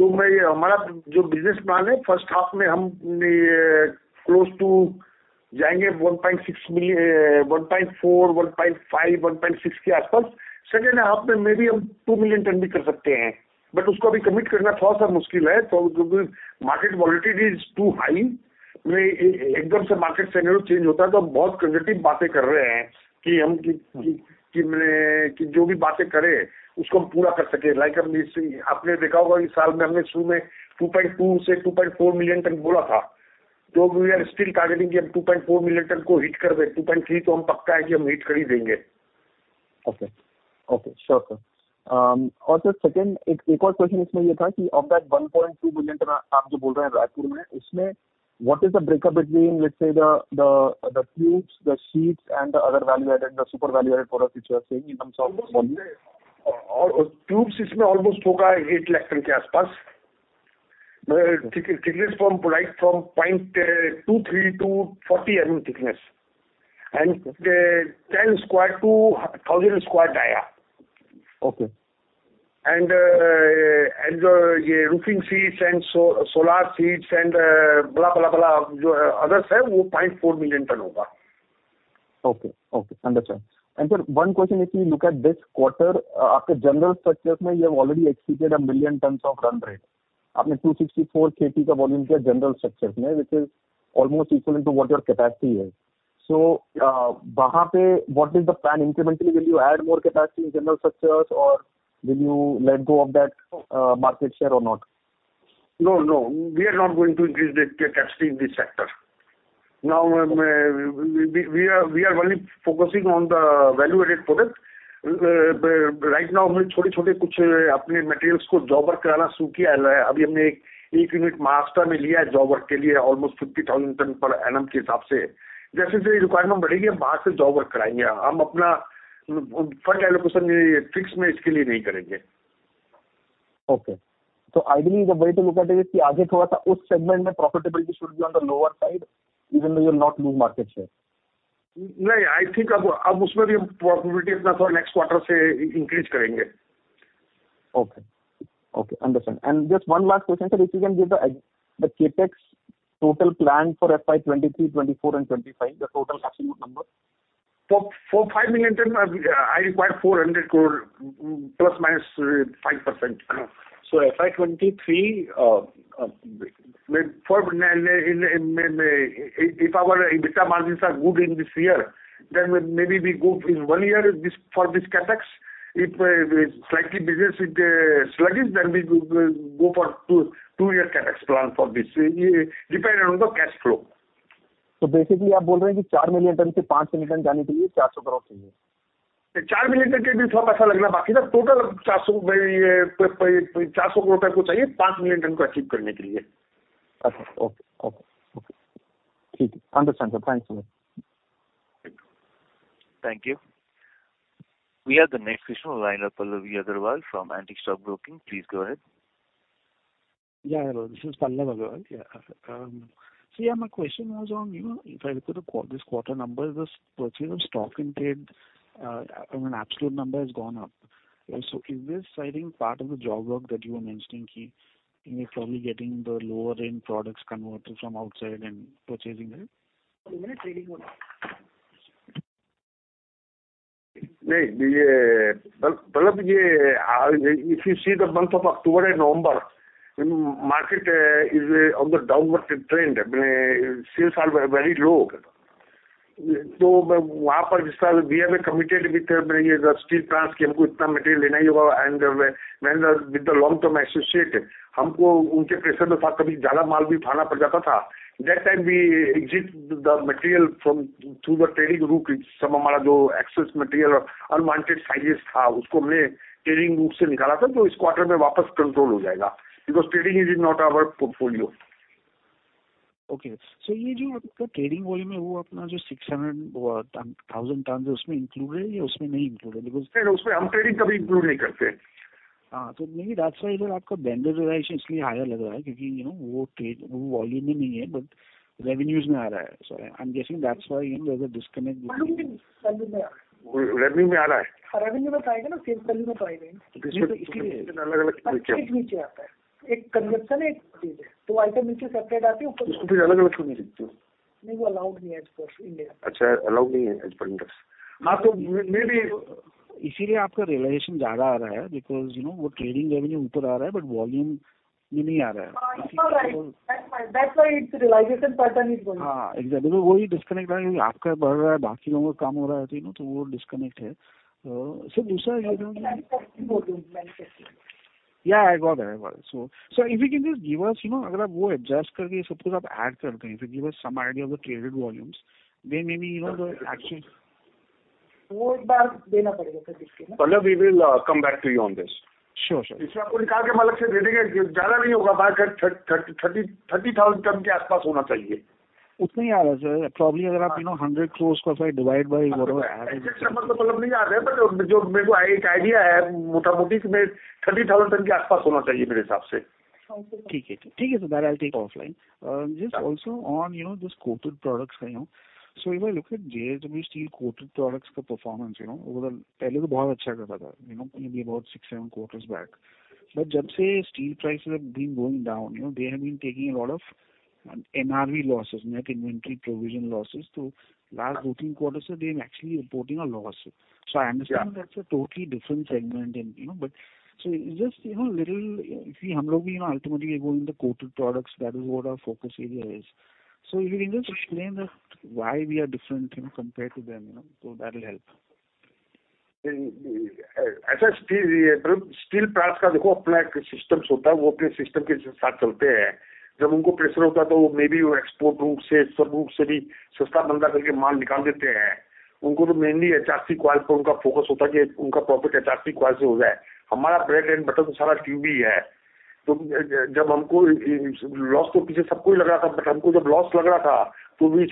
[SPEAKER 6] हो जाएगा। हमारा जो business plan है first half में हम close to जाएंगे 1.6 million, 1.4, 1.5, 1.6 के आसपास। Second half में maybe हम two million ton भी कर सकते हैं। उसको अभी commit करना थोड़ा सा मुश्किल है क्योंकि market volatility is too high. एकदम से market scenario change होता है तो हम बहुत conservative बातें कर रहे हैं कि हम जो भी बातें करें उसको हम पूरा कर सकें. Like you have देखा होगा इस साल में हमने शुरू में 2.2 million tons-2.4 million tons बोला था. We are still targeting कि हम 2.4 million tons को hit कर दें. 2.3 million tons तो हम पक्का है कि हम hit कर ही देंगे.
[SPEAKER 12] Okay, okay sure sir. और sir second एक और question इसमें यह था कि of that 1.2 million ton आप जो बोल रहे हैं रायपुर में उसमें what is the breakup between let's say the tubes, the sheets and the other value added, the super value added products which you are saying in terms of volume?
[SPEAKER 6] Tubes इसमें almost होगा 8 lakh ton के आसपास. Thickness from 0.23mm-40 mm thickness and 10 square-1000 square dia.
[SPEAKER 12] Okay.
[SPEAKER 6] The roofing sheets and solar sheets and bla, bla जो others है वो 0.4 million ton होगा.
[SPEAKER 12] Okay, okay understand. sir one question if you look at this quarter आपके general structures में you have already exceeded one million tons of run rate. आपने 264,000 tons का volume किया general structures में which is almost equal into what your capacity is. वहां पे what is the plan incrementally? Will you add more capacity in general structures or will you let go of that market share or not?
[SPEAKER 6] No, no. We are not going to increase the capacity in this sector. Now we are only focusing on the value added product. Right now हमने छोटे-छोटे कुछ अपने materials को job work कराना शुरू किया है। अभी हमने एक unit Murbad में लिया है job work के लिए almost 50,000 ton per annum के हिसाब से। जैसे-जैसे requirement बढ़ेगी हम बाहर से job work कराएंगे। हम अपना fund allocation fix में इसके लिए नहीं करेंगे।
[SPEAKER 12] Okay. ideally the way to look at it is कि आगे थोड़ा सा उस segment में profitability should be on the lower side even though you will not lose market share.
[SPEAKER 6] नहीं I think अब उसमें भी profitability अपना थोड़ा next quarter से increase करेंगे.
[SPEAKER 12] Okay, okay understand. Just one last question sir if you can give the CapEx total plan for FY 2023, 2024 and 2025. The total absolute number.
[SPEAKER 6] For five million tons I require INR 400 crore ±5%. FY 2023 if our EBITDA margins are good in this year then maybe we go in one year for this CapEx. If slightly business is sluggish then we go for two-year CapEx plan for this dependent on the cash flow.
[SPEAKER 12] Basically, आप बोल रहे हैं कि four million to five million tons जाने के लिए INR 400 crore चाहिए।
[SPEAKER 6] 4 million tons के लिए थोड़ा पैसा लगना बाकी है। Total INR 400 crore आपको चाहिए five million tons को achieve करने के लिए।
[SPEAKER 12] Okay, okay. Understand sir. Thanks a lot.
[SPEAKER 1] Thank you. We have the next question on line from Pallav Agarwal from Antique Stock Broking. Please go ahead.
[SPEAKER 13] Yeah, hello this is Pallav Agarwal. Sir my question was on you know if I look at this quarter number the purchase of stock in trade I mean absolute number has gone up. Is this I think part of the job work that you were mentioning कि you are probably getting the lower end products converted from outside and purchasing them?
[SPEAKER 6] नहीं Pallavi ji if you see the month of October and November market is on the downward trend. Sales are very low. तो वहां पर इस साल we have a committed with the steel plants कि हमको इतना material लेना ही होगा and with the long term associate हमको उनके pressure में कभी ज्यादा माल भी खाना पड़ता था। That time we exit the material from through the trading route. सब हमारा जो excess material unwanted sizes था उसको मैं trading route से निकाला था तो इस quarter में वापस control हो जाएगा because trading is not our portfolio.
[SPEAKER 13] Okay. ये जो आपका trading volume है वो अपना जो 600,000 ton है उसमें include है या उसमें नहीं include है because-
[SPEAKER 6] नहीं उसमें हम trading कभी include नहीं करते हैं।
[SPEAKER 13] Maybe that's why आपका vendor realization इसलिए higher लग रहा है क्योंकि you know वो trade वो volume में नहीं है but revenues में आ रहा है. I am guessing that's why you know the disconnect
[SPEAKER 6] Revenue में आ रहा है.
[SPEAKER 13] Revenue में आ रहा है.
[SPEAKER 6] Revenue में आएगा ना sales में तो आएगा ही नहीं. इसके पीछे आता है एक conversion है, एक चीज है तो item की separate आती है.
[SPEAKER 13] उसको फिर अलग अलग क्यों नहीं बेचते हो?
[SPEAKER 6] नहीं वो allowed नहीं है as per India.
[SPEAKER 13] अच्छा allowed नहीं है as per India. हां maybe इसीलिए आपका realization ज्यादा आ रहा है because you know वो trading revenue ऊपर आ रहा है but volume में नहीं आ रहा है
[SPEAKER 6] That's why its realization pattern is going
[SPEAKER 13] हां exactly वो ही disconnect है आपका बढ़ रहा है बाकी लोगों का काम हो रहा है तो you know तो वो disconnect है sir. दूसरा, yeah I got that so if you can just give us you know अगर आप वो adjust करके सब कुछ आप add कर दें if you give us some idea of the traded volumes then maybe you know the actual
[SPEAKER 6] वो एक बार देना पड़ेगा sir इसके.
[SPEAKER 13] भला we will come back to you on this.
[SPEAKER 6] Sure sir.
[SPEAKER 13] इसमें आपको नीका है कि मालिक से देंगे ज्यादा नहीं होगा 大概 30,000 ton के आसपास होना चाहिए उतना ही आ रहा है sir probably अगर आप you know INR 100 crores को अगर divide by.
[SPEAKER 6] Number तो मतलब नहीं आ रहा है जो मेरे को एक idea है मोटा मोटी तो मैं 30,000 tons के आसपास होना चाहिए मेरे हिसाब से.
[SPEAKER 13] ठीक है ठीक है That I will take offline just also on you know this coated products you know if I look at JSW Steel coated products का performance you know वो पहले तो बहुत अच्छा कर रहा था you know maybe about 6-7 quarters back but जब से steel prices have been going down you know they have been taking a lot of NRV losses net inventory provision losses to last 14 quarters they are actually reporting a loss. I understand that's a totally different segment and you know but so just you know little if we हम लोग भी you know ultimately going to coated products that is what our focus area is. If you can just explain that why we are different you know compared to them you know so that will help.
[SPEAKER 6] ऐसा steel products का देखो अपना एक systems होता है वो अपने system के साथ चलते हैं जब उनको pressure होता है तो maybe वो export route से सब route से भी सस्ता मंदा करके माल निकाल देते हैं। उनको तो mainly HRC coil पर उनका focus होता है कि उनका profit HRC coil से हो जाए। हमारा bread and butter तो सारा QB है। जब हमको loss तो पीछे सबको ही लग रहा था but हमको जब loss लग रहा था तो भी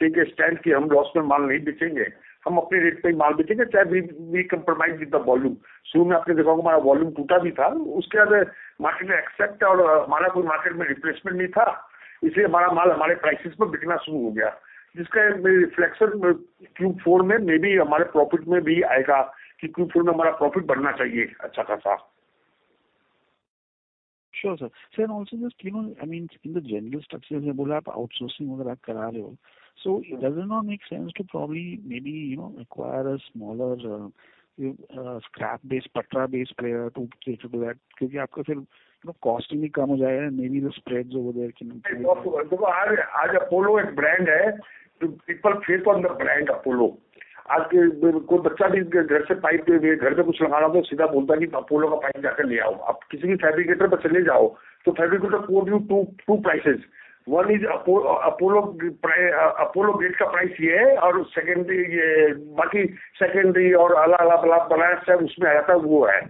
[SPEAKER 6] take a stand कि हम loss में माल नहीं बेचेंगे। हम अपनी rate पर ही माल बेचेंगे चाहे we compromise with the volume. Shuru mein aapne dekha hoga hamara volume toota bhi tha uske baad mein market ne accept aur hamara koi market mein replacement nahi tha isliye hamara maal hamare prices par bikna shuru ho gaya jiska reflection Q4 mein maybe hamare profit mein bhi aayega ki Q4 mein hamara profit badhna chahiye achha khaasa.
[SPEAKER 13] Sure sir. Sir also just you know I mean in the general structure आपने बोला आप outsourcing वगैरह करा रहे हो, does it not make sense to probably maybe you know acquire a smaller scrap based patra based player to cater to that क्योंकि आपका फिर you know cost भी कम हो जाए maybe the spreads over there?
[SPEAKER 6] देखो आज Apollo एक brand है people faith on the brand Apollo. कोई बच्चा भी घर से pipe घर में कुछ लगाना हो तो सीधा बोलता है कि Apollo का pipe जाकर ले आओ। आप किसी भी fabricator पास चले जाओ तो fabricator quote you two prices one is Apollo Apollo grade का price ये है और second ये बाकी secondary और आला आला फला फला सब उसमें आता है वो है।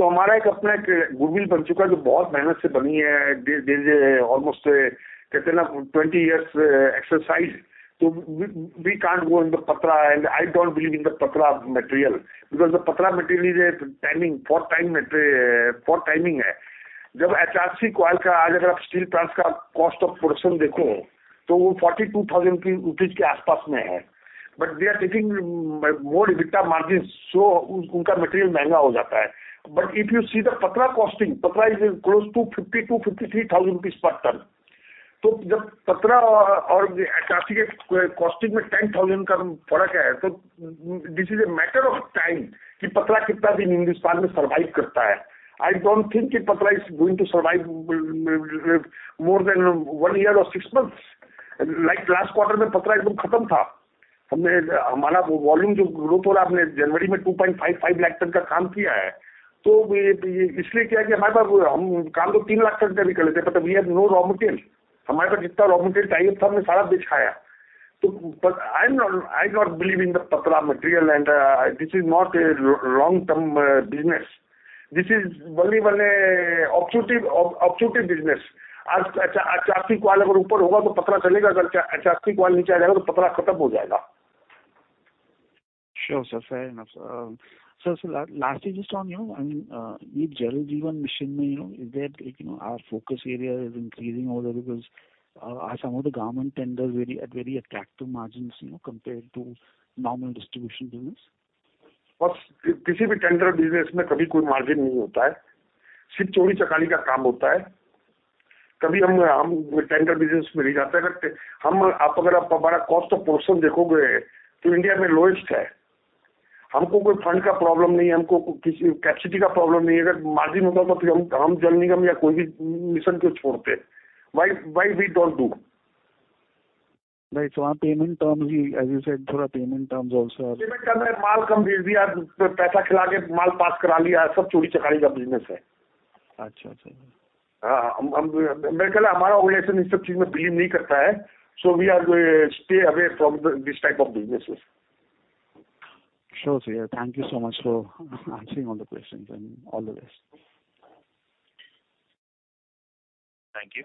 [SPEAKER 6] हमारा एक अपना एक goodwill बन चुका है जो बहुत मेहनत से बनी है There is a almost कहते हैं ना 20 years exercise we can't go in the patra and I don't believe in the patra material because the patra material is a timing for time for timing है। HRC coil का आज अगर आप steel products का cost of production देखो तो वो INR 42,000 के आसपास में है but they are taking more EBITDA margins so उनका material महंगा हो जाता है। If you see the patra costing patra is close to 52,000-53,000 rupees per ton. जब patra और HRC के costing में INR 10,000 का fark hai this is a matter of time ki patra kitna din India में survive karta hai. I don't think ki patra is going to survive more than one year or six months. Last quarter mein patra ekdam khatam tha. Humne hamara volume jo growth ho raha hai humne January mein 2.55 lakh tons ka kaam kiya hai isliye kya hai ki hamare paas hum kaam toh 3 lakh tons ka bhi kar lete but we have no raw material. Hamare paas jitna raw material chahiye tha humne sara bech aaya I am not I do not believe in the patra material and this is not a long term business. This is only one opportunity business. आज HRC coil अगर ऊपर होगा तो Patra चलेगा अगर HRC coil नीचे आ जाएगा तो Patra खत्म हो जाएगा।
[SPEAKER 13] Sure sir fair enough. Sir lastly just on you know I mean ये Jal Jeevan Mission में you know is there you know our focus area is increasing or because are some of the government tenders very at very attractive margins you know compared to normal distribution business?
[SPEAKER 6] बस किसी भी tender business में कभी कोई margin नहीं होता है। सिर्फ चोरी चकाली का काम होता है। कभी हम tender business में नहीं जाते हैं। हम आप अगर आप हमारा cost of production देखोगे तो India में lowest है। हमको कोई fund का problem नहीं है। हमको किसी capacity का problem नहीं है। अगर margin होता तो फिर हम जल निगम या कोई भी mission क्यों छोड़ते? Why we don't do?
[SPEAKER 13] Right वहां payment terms he as you said थोड़ा payment terms also are.
[SPEAKER 6] Payment terms है माल कम भेज दिया पैसा खिला के माल pass करा लिया ये सब चोरी चकाली का business है.
[SPEAKER 13] अच्छा अच्छा.
[SPEAKER 6] हां मैं कह रहा हूं हमारा organization इन सब चीज में believe नहीं करता है. We are stay away from this type of businesses.
[SPEAKER 13] Sure sir thank you so much for answering all the questions and all the best.
[SPEAKER 1] Thank you.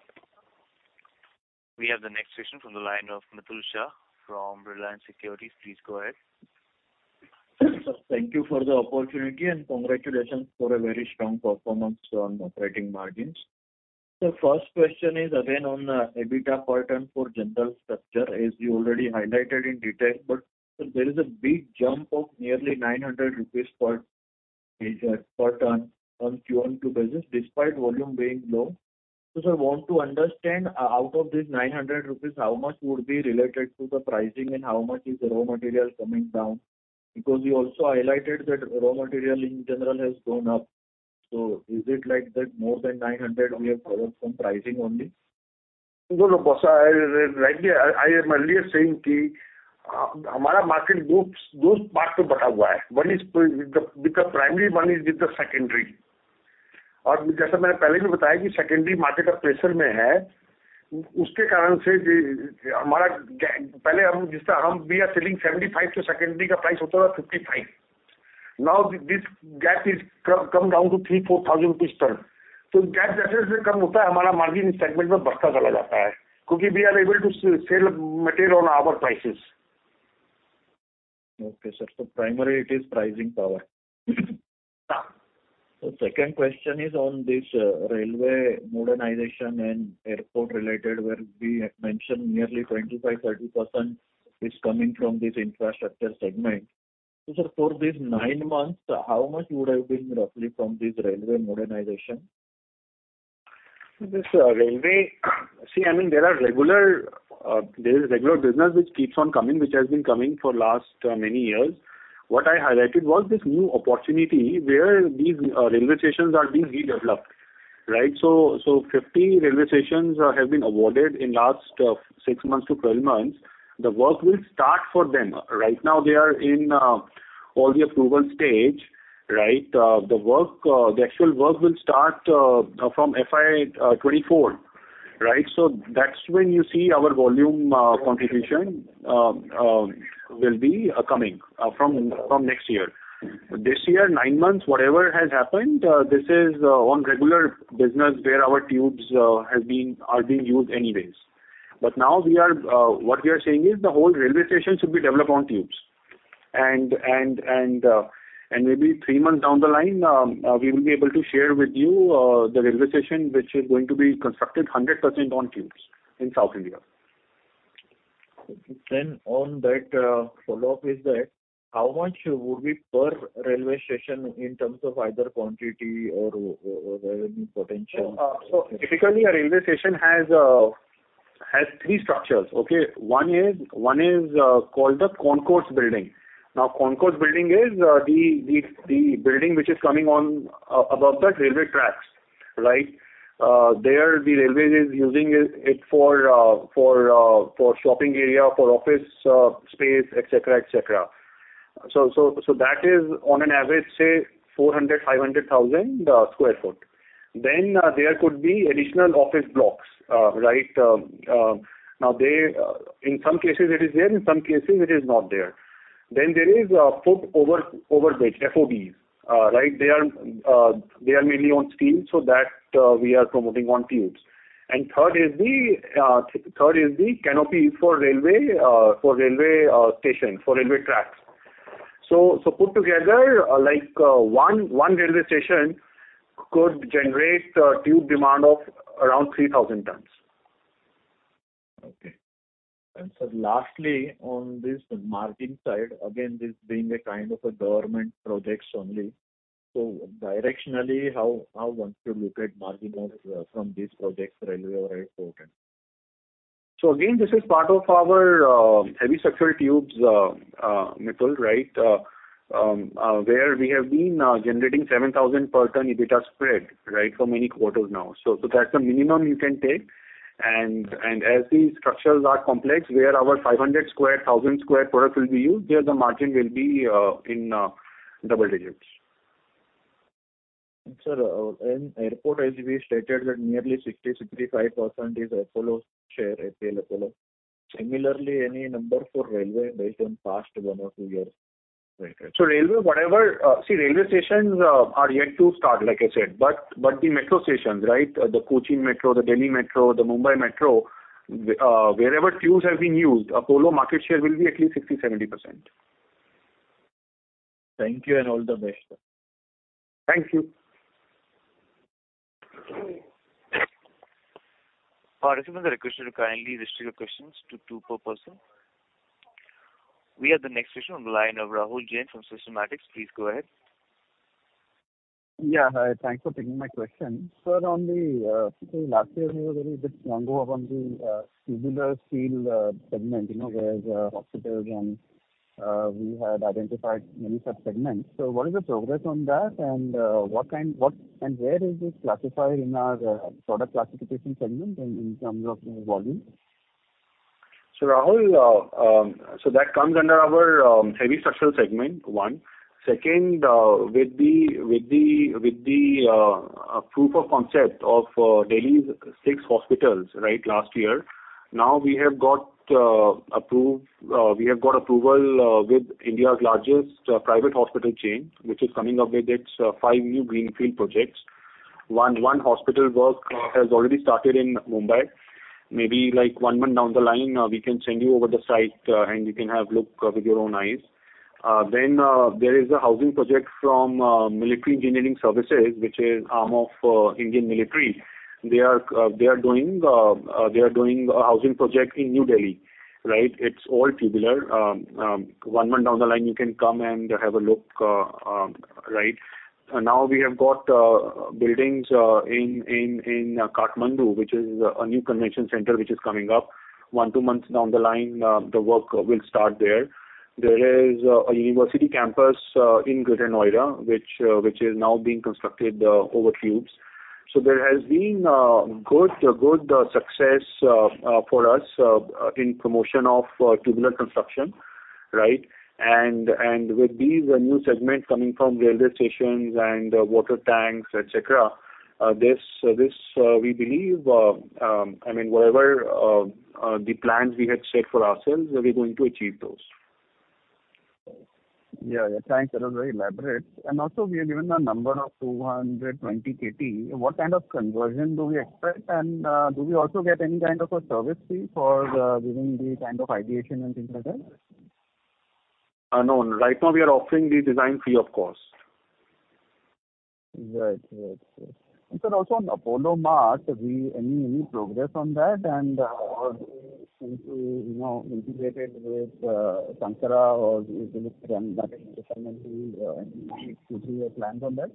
[SPEAKER 1] We have the next question from the line of Mitul Shah from Reliance Securities. Please go ahead.
[SPEAKER 14] Thank you for the opportunity, congratulations for a very strong performance on operating margins. The first question is again on the EBITDA per ton for general structure, as you already highlighted in detail. There is a big jump of nearly 900 rupees per ton on Q1 to business despite volume being low. I want to understand, out of this 900 rupees, how much would be related to the pricing and how much is the raw material coming down? Because you also highlighted that raw material in general has gone up. Is it like that more than 900 we have covered from pricing only?
[SPEAKER 3] No, no. Rightly, I am earlier saying Hindi. Hamara market do part pe bata hua hai. One is with the primary one is with the secondary. Jaise maine pehle bhi bataya ki secondary market pressure mein hai. Uske karan se hamara pehle hum jis tarham we are selling 75 to secondary ka price hota tha 55. Now this gap is come down to 3,000-4,000 ton. Gap jese se kam hota hai hamara margin segment mein bachta chala jata hai. Kyunki we are able to sell material on our prices.
[SPEAKER 14] Okay, sir. Primary it is pricing power. Second question is on this railway modernization and airport related, where we have mentioned nearly 25%-30% is coming from this infrastructure segment. For these nine months, how much would have been roughly from this railway modernization?
[SPEAKER 3] This railway, see, I mean there are regular, there is regular business which keeps on coming, which has been coming for last many years. What I highlighted was this new opportunity where these railway stations are being redeveloped, right. 50 railway stations have been awarded in last six months to 12 months. The work will start for them. Right now they are in all the approval stage, right. The actual work will start from FY 2024. Right. That's when you see our volume contribution will be coming from next year. This year, nine months, whatever has happened, this is on regular business where our tubes are being used anyways. Now we are, what we are saying is the whole railway station should be developed on tubes and maybe three months down the line, we will be able to share with you, the railway station, which is going to be constructed 100% on tubes in South India.
[SPEAKER 14] On that, follow-up is that how much would be per railway station in terms of either quantity or revenue potential?
[SPEAKER 3] Typically a railway station has three structures. Okay. One is called a concourse building. Concourse building is the, the building which is coming above the railway tracks, right. There the railway is using it for shopping area, for office space, etc., etc. That is on an average, say 400,000 sq ft-500,000 sq ft. There could be additional office blocks. Right. Now they in some cases it is there, in some cases it is not there. There is a foot overbridge, FOBs. Right. They are mainly on steel. That we are promoting on tubes. Third is the canopy for railway station, for railway tracks. Put together like, one railway station could generate a tube demand of around 3,000 tons.
[SPEAKER 14] Okay. Sir lastly, on this margin side, again, this being a kind of a government projects only. Directionally, how one should look at margin from these projects, railway or airport?
[SPEAKER 3] Again, this is part of our heavy structural tubes, Mitul, right? Where we have been generating 7,000 per ton EBITDA spread, right, for many quarters now. That's the minimum you can take. As these structures are complex where our 500 square, 1,000 square products will be used, there the margin will be in double digits.
[SPEAKER 14] Sir, in airport as we stated that nearly 60%-65% is Apollo's share, APL Apollo. Similarly any number for railway based on past one or two years?
[SPEAKER 3] Railway whatever, see railway stations, are yet to start, like I said, but the metro stations, right, the Cochin Metro, the Delhi Metro, the Mumbai Metro, wherever tubes have been used, Apollo market share will be at least 60%-70%.
[SPEAKER 14] Thank you and all the best.
[SPEAKER 3] Thank you.
[SPEAKER 1] Participants are requested to kindly restrict your questions to two per person. We have the next question on the line of Rahul Jain from Systematix. Please go ahead.
[SPEAKER 11] Yeah. Hi. Thanks for taking my question. Sir, on the last year you were very bit strong on the tubular steel segment, you know, where hospitals and we had identified many such segments. What is the progress on that and what kind, what and where is this classified in our product classification segment in terms of volume?
[SPEAKER 3] Rahul, so that comes under our heavy structural segment, one. Second, with the proof of concept of Delhi's six hospitals, right, last year. Now we have got approved, we have got approval with India's largest private hospital chain, which is coming up with its five new greenfield projects. One hospital work has already started in Mumbai. Maybe like one month down the line, we can send you over the site, and you can have look with your own eyes. Then, there is a housing project from Military Engineer Services, which is arm of Indian military. They are doing a housing project in New Delhi, right? It's all tubular. One month down the line you can come and have a look, right. Now we have got buildings in Kathmandu, which is a new convention center which is coming up. One, two months down the line, the work will start there. There is a university campus in Greater Noida, which is now being constructed over tubes. There has been good success for us in promotion of tubular construction, right? With these new segments coming from railway stations and water tanks, et cetera, this we believe, I mean, whatever the plans we had set for ourselves, we're going to achieve those.
[SPEAKER 11] Yeah. Thanks. That was very elaborate. Also, we are given a number of 220 KT. What kind of conversion do we expect? Do we also get any kind of a service fee for giving the kind of ideation and things like that?
[SPEAKER 3] No. Right now we are offering the design fee of cost.
[SPEAKER 11] Right. Right. Right. Sir also on Apollo Mart, any progress on that? Are they going to, you know, integrate it with Shankara or is it looking at that incrementally? Could you give plans on that?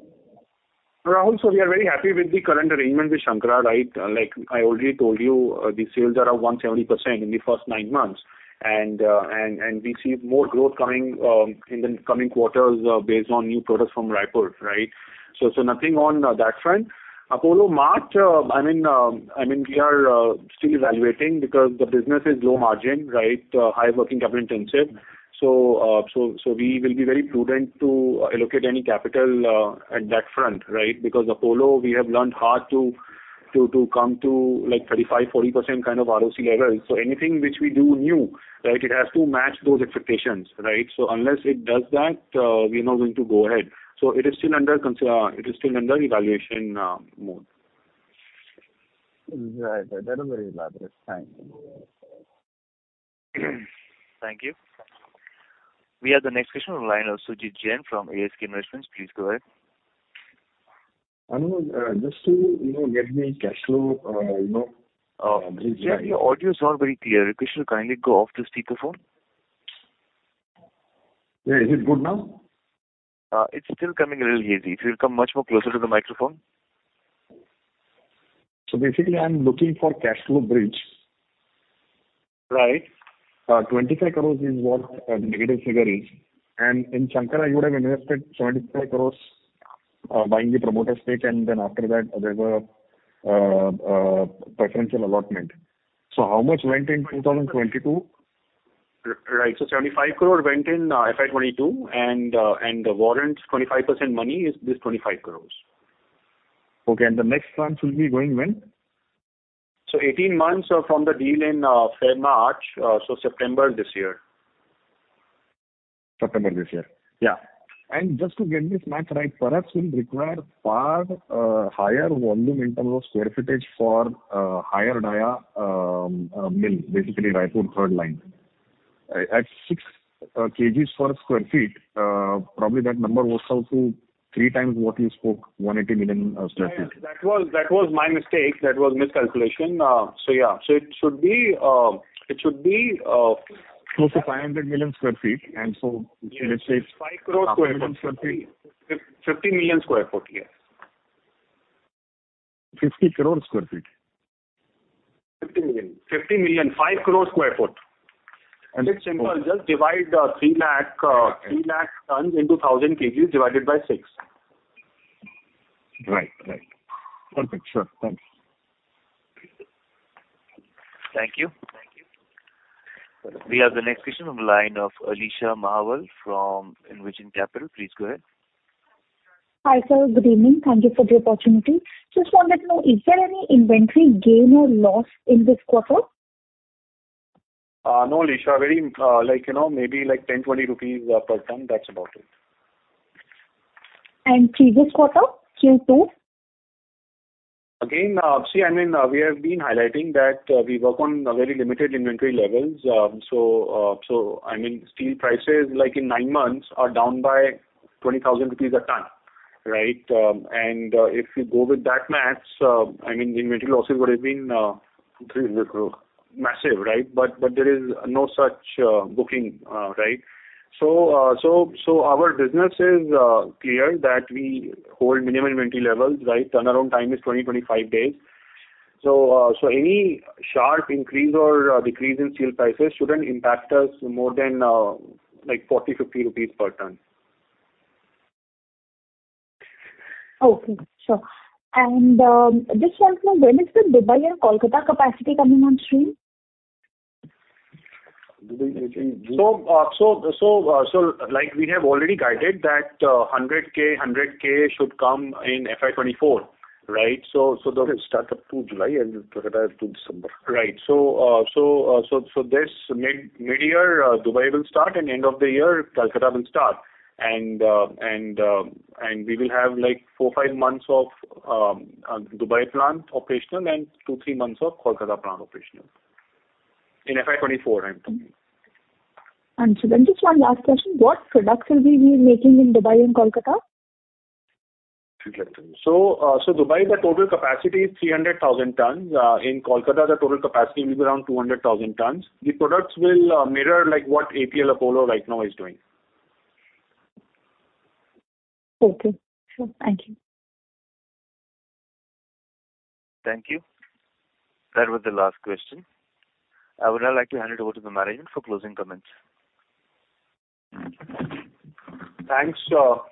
[SPEAKER 3] Rahul, we are very happy with the current arrangement with Shankara, right? Like I already told you, the sales are up 170% in the first nine months. We see more growth coming in the coming quarters, based on new products from Raipur, right? Nothing on that front. Apollo Mart, I mean, we are still evaluating because the business is low margin, right? High working capital intensive. We will be very prudent to allocate any capital at that front, right? Because Apollo, we have learned hard to come to like 35%-40% kind of ROC level. Anything which we do new, right, it has to match those expectations, right? Unless it does that, we are not going to go ahead. It is still under evaluation mode.
[SPEAKER 11] Right. That was very elaborate. Thanks.
[SPEAKER 1] Thank you. We have the next question on the line of Sumit Jain from ASK Investments. Please go ahead.
[SPEAKER 7] Just to, you know, get me cash flow, you know.
[SPEAKER 1] Sir your audio is not very clear. Could you kindly go off to speaker phone?
[SPEAKER 7] Yeah. Is it good now?
[SPEAKER 1] It's still coming a little hazy. If you'll come much more closer to the microphone.
[SPEAKER 7] Basically, I'm looking for cash flow bridge, right? 25 crores is what the negative figure is. In Shankara you would have invested 75 crores, buying the promoter stake, and then after that, there were preferential allotment. How much went in 2022?
[SPEAKER 3] Right. 75 crore went in FY 2022 and the warrant 25% money is this 25 crore.
[SPEAKER 7] Okay. The next tranche will be going when?
[SPEAKER 3] 18 months from the deal in, March, so September this year.
[SPEAKER 7] September this year.
[SPEAKER 3] Yeah.
[SPEAKER 7] Just to get this match right, perhaps we'll require far higher volume in terms of square footage for higher dia mill, basically Raipur third line. At 6 kgs per sq ft, probably that number works out to three times what you spoke, 180 million sq ft.
[SPEAKER 3] That was my mistake. That was miscalculation. Yeah. It should be.
[SPEAKER 7] Close to 500 million sq ft.
[SPEAKER 3] Yes. INR 5 crore sq ft.
[SPEAKER 7] 500 million sq ft.
[SPEAKER 3] 50 million sq ft, yes.
[SPEAKER 7] 50 crore sq ft.
[SPEAKER 3] 50 million, 50 million, 5 crore sq ft.
[SPEAKER 7] And-
[SPEAKER 3] It's simple. Just divide, 3 lakh tons into 1,000 kgs divided by 6.
[SPEAKER 7] Right. Right. Perfect. Sure. Thanks.
[SPEAKER 1] Thank you. We have the next question on the line of Alisha Mahawla from Envision Capital. Please go ahead.
[SPEAKER 15] Hi, sir. Good evening. Thank you for the opportunity. Just wanted to know, is there any inventory gain or loss in this quarter?
[SPEAKER 3] No, Alisha. Very, like, you know, maybe like 10-20 rupees per ton. That's about it.
[SPEAKER 15] Previous quarter, Q2?
[SPEAKER 3] See, I mean, we have been highlighting that, we work on very limited inventory levels. I mean, steel prices, like in nine months are down by 20,000 rupees a ton, right? If you go with that math, I mean, inventory losses would have been.
[SPEAKER 7] INR 300 crore.
[SPEAKER 3] Massive, right? There is no such booking, right. Our business is clear that we hold minimum inventory levels, right? Turnaround time is 20-25 days. Any sharp increase or decrease in steel prices shouldn't impact us more than like 40-50 rupees per ton.
[SPEAKER 15] Okay. Sure. Just wanted to know when is the Dubai and Kolkata capacity coming on stream?
[SPEAKER 7] Dubai I think.
[SPEAKER 3] Like we have already guided that, 100 K should come in FY 2024, right?
[SPEAKER 7] Dubai will start up to July and Kolkata up to December.
[SPEAKER 3] Right. This mid-year Dubai will start and end of the year Kolkata will start. We will have like four, five months of Dubai plant operational and two, three months of Kolkata plant operational. In FY 2024 I'm talking.
[SPEAKER 15] Sir just one last question. What products will we be making in Dubai and Kolkata?
[SPEAKER 3] Dubai, the total capacity is 300,000 tons. In Kolkata, the total capacity will be around 200,000 tons. The products will mirror like what APL Apollo right now is doing.
[SPEAKER 15] Okay. Sure. Thank you.
[SPEAKER 1] Thank you. That was the last question. I would now like to hand it over to the management for closing comments.
[SPEAKER 3] Thanks,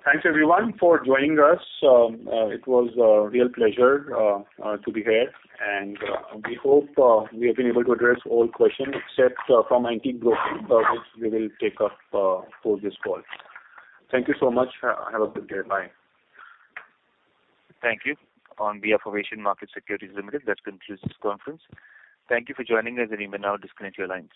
[SPEAKER 3] thanks everyone for joining us. It was a real pleasure to be here. We hope we have been able to address all questions except from IT Broking, which we will take up post this call. Thank you so much. Have a good day. Bye.
[SPEAKER 1] Thank you. On behalf of Asian Markets Securities Limited, that concludes this conference. Thank you for joining us and you may now disconnect your lines.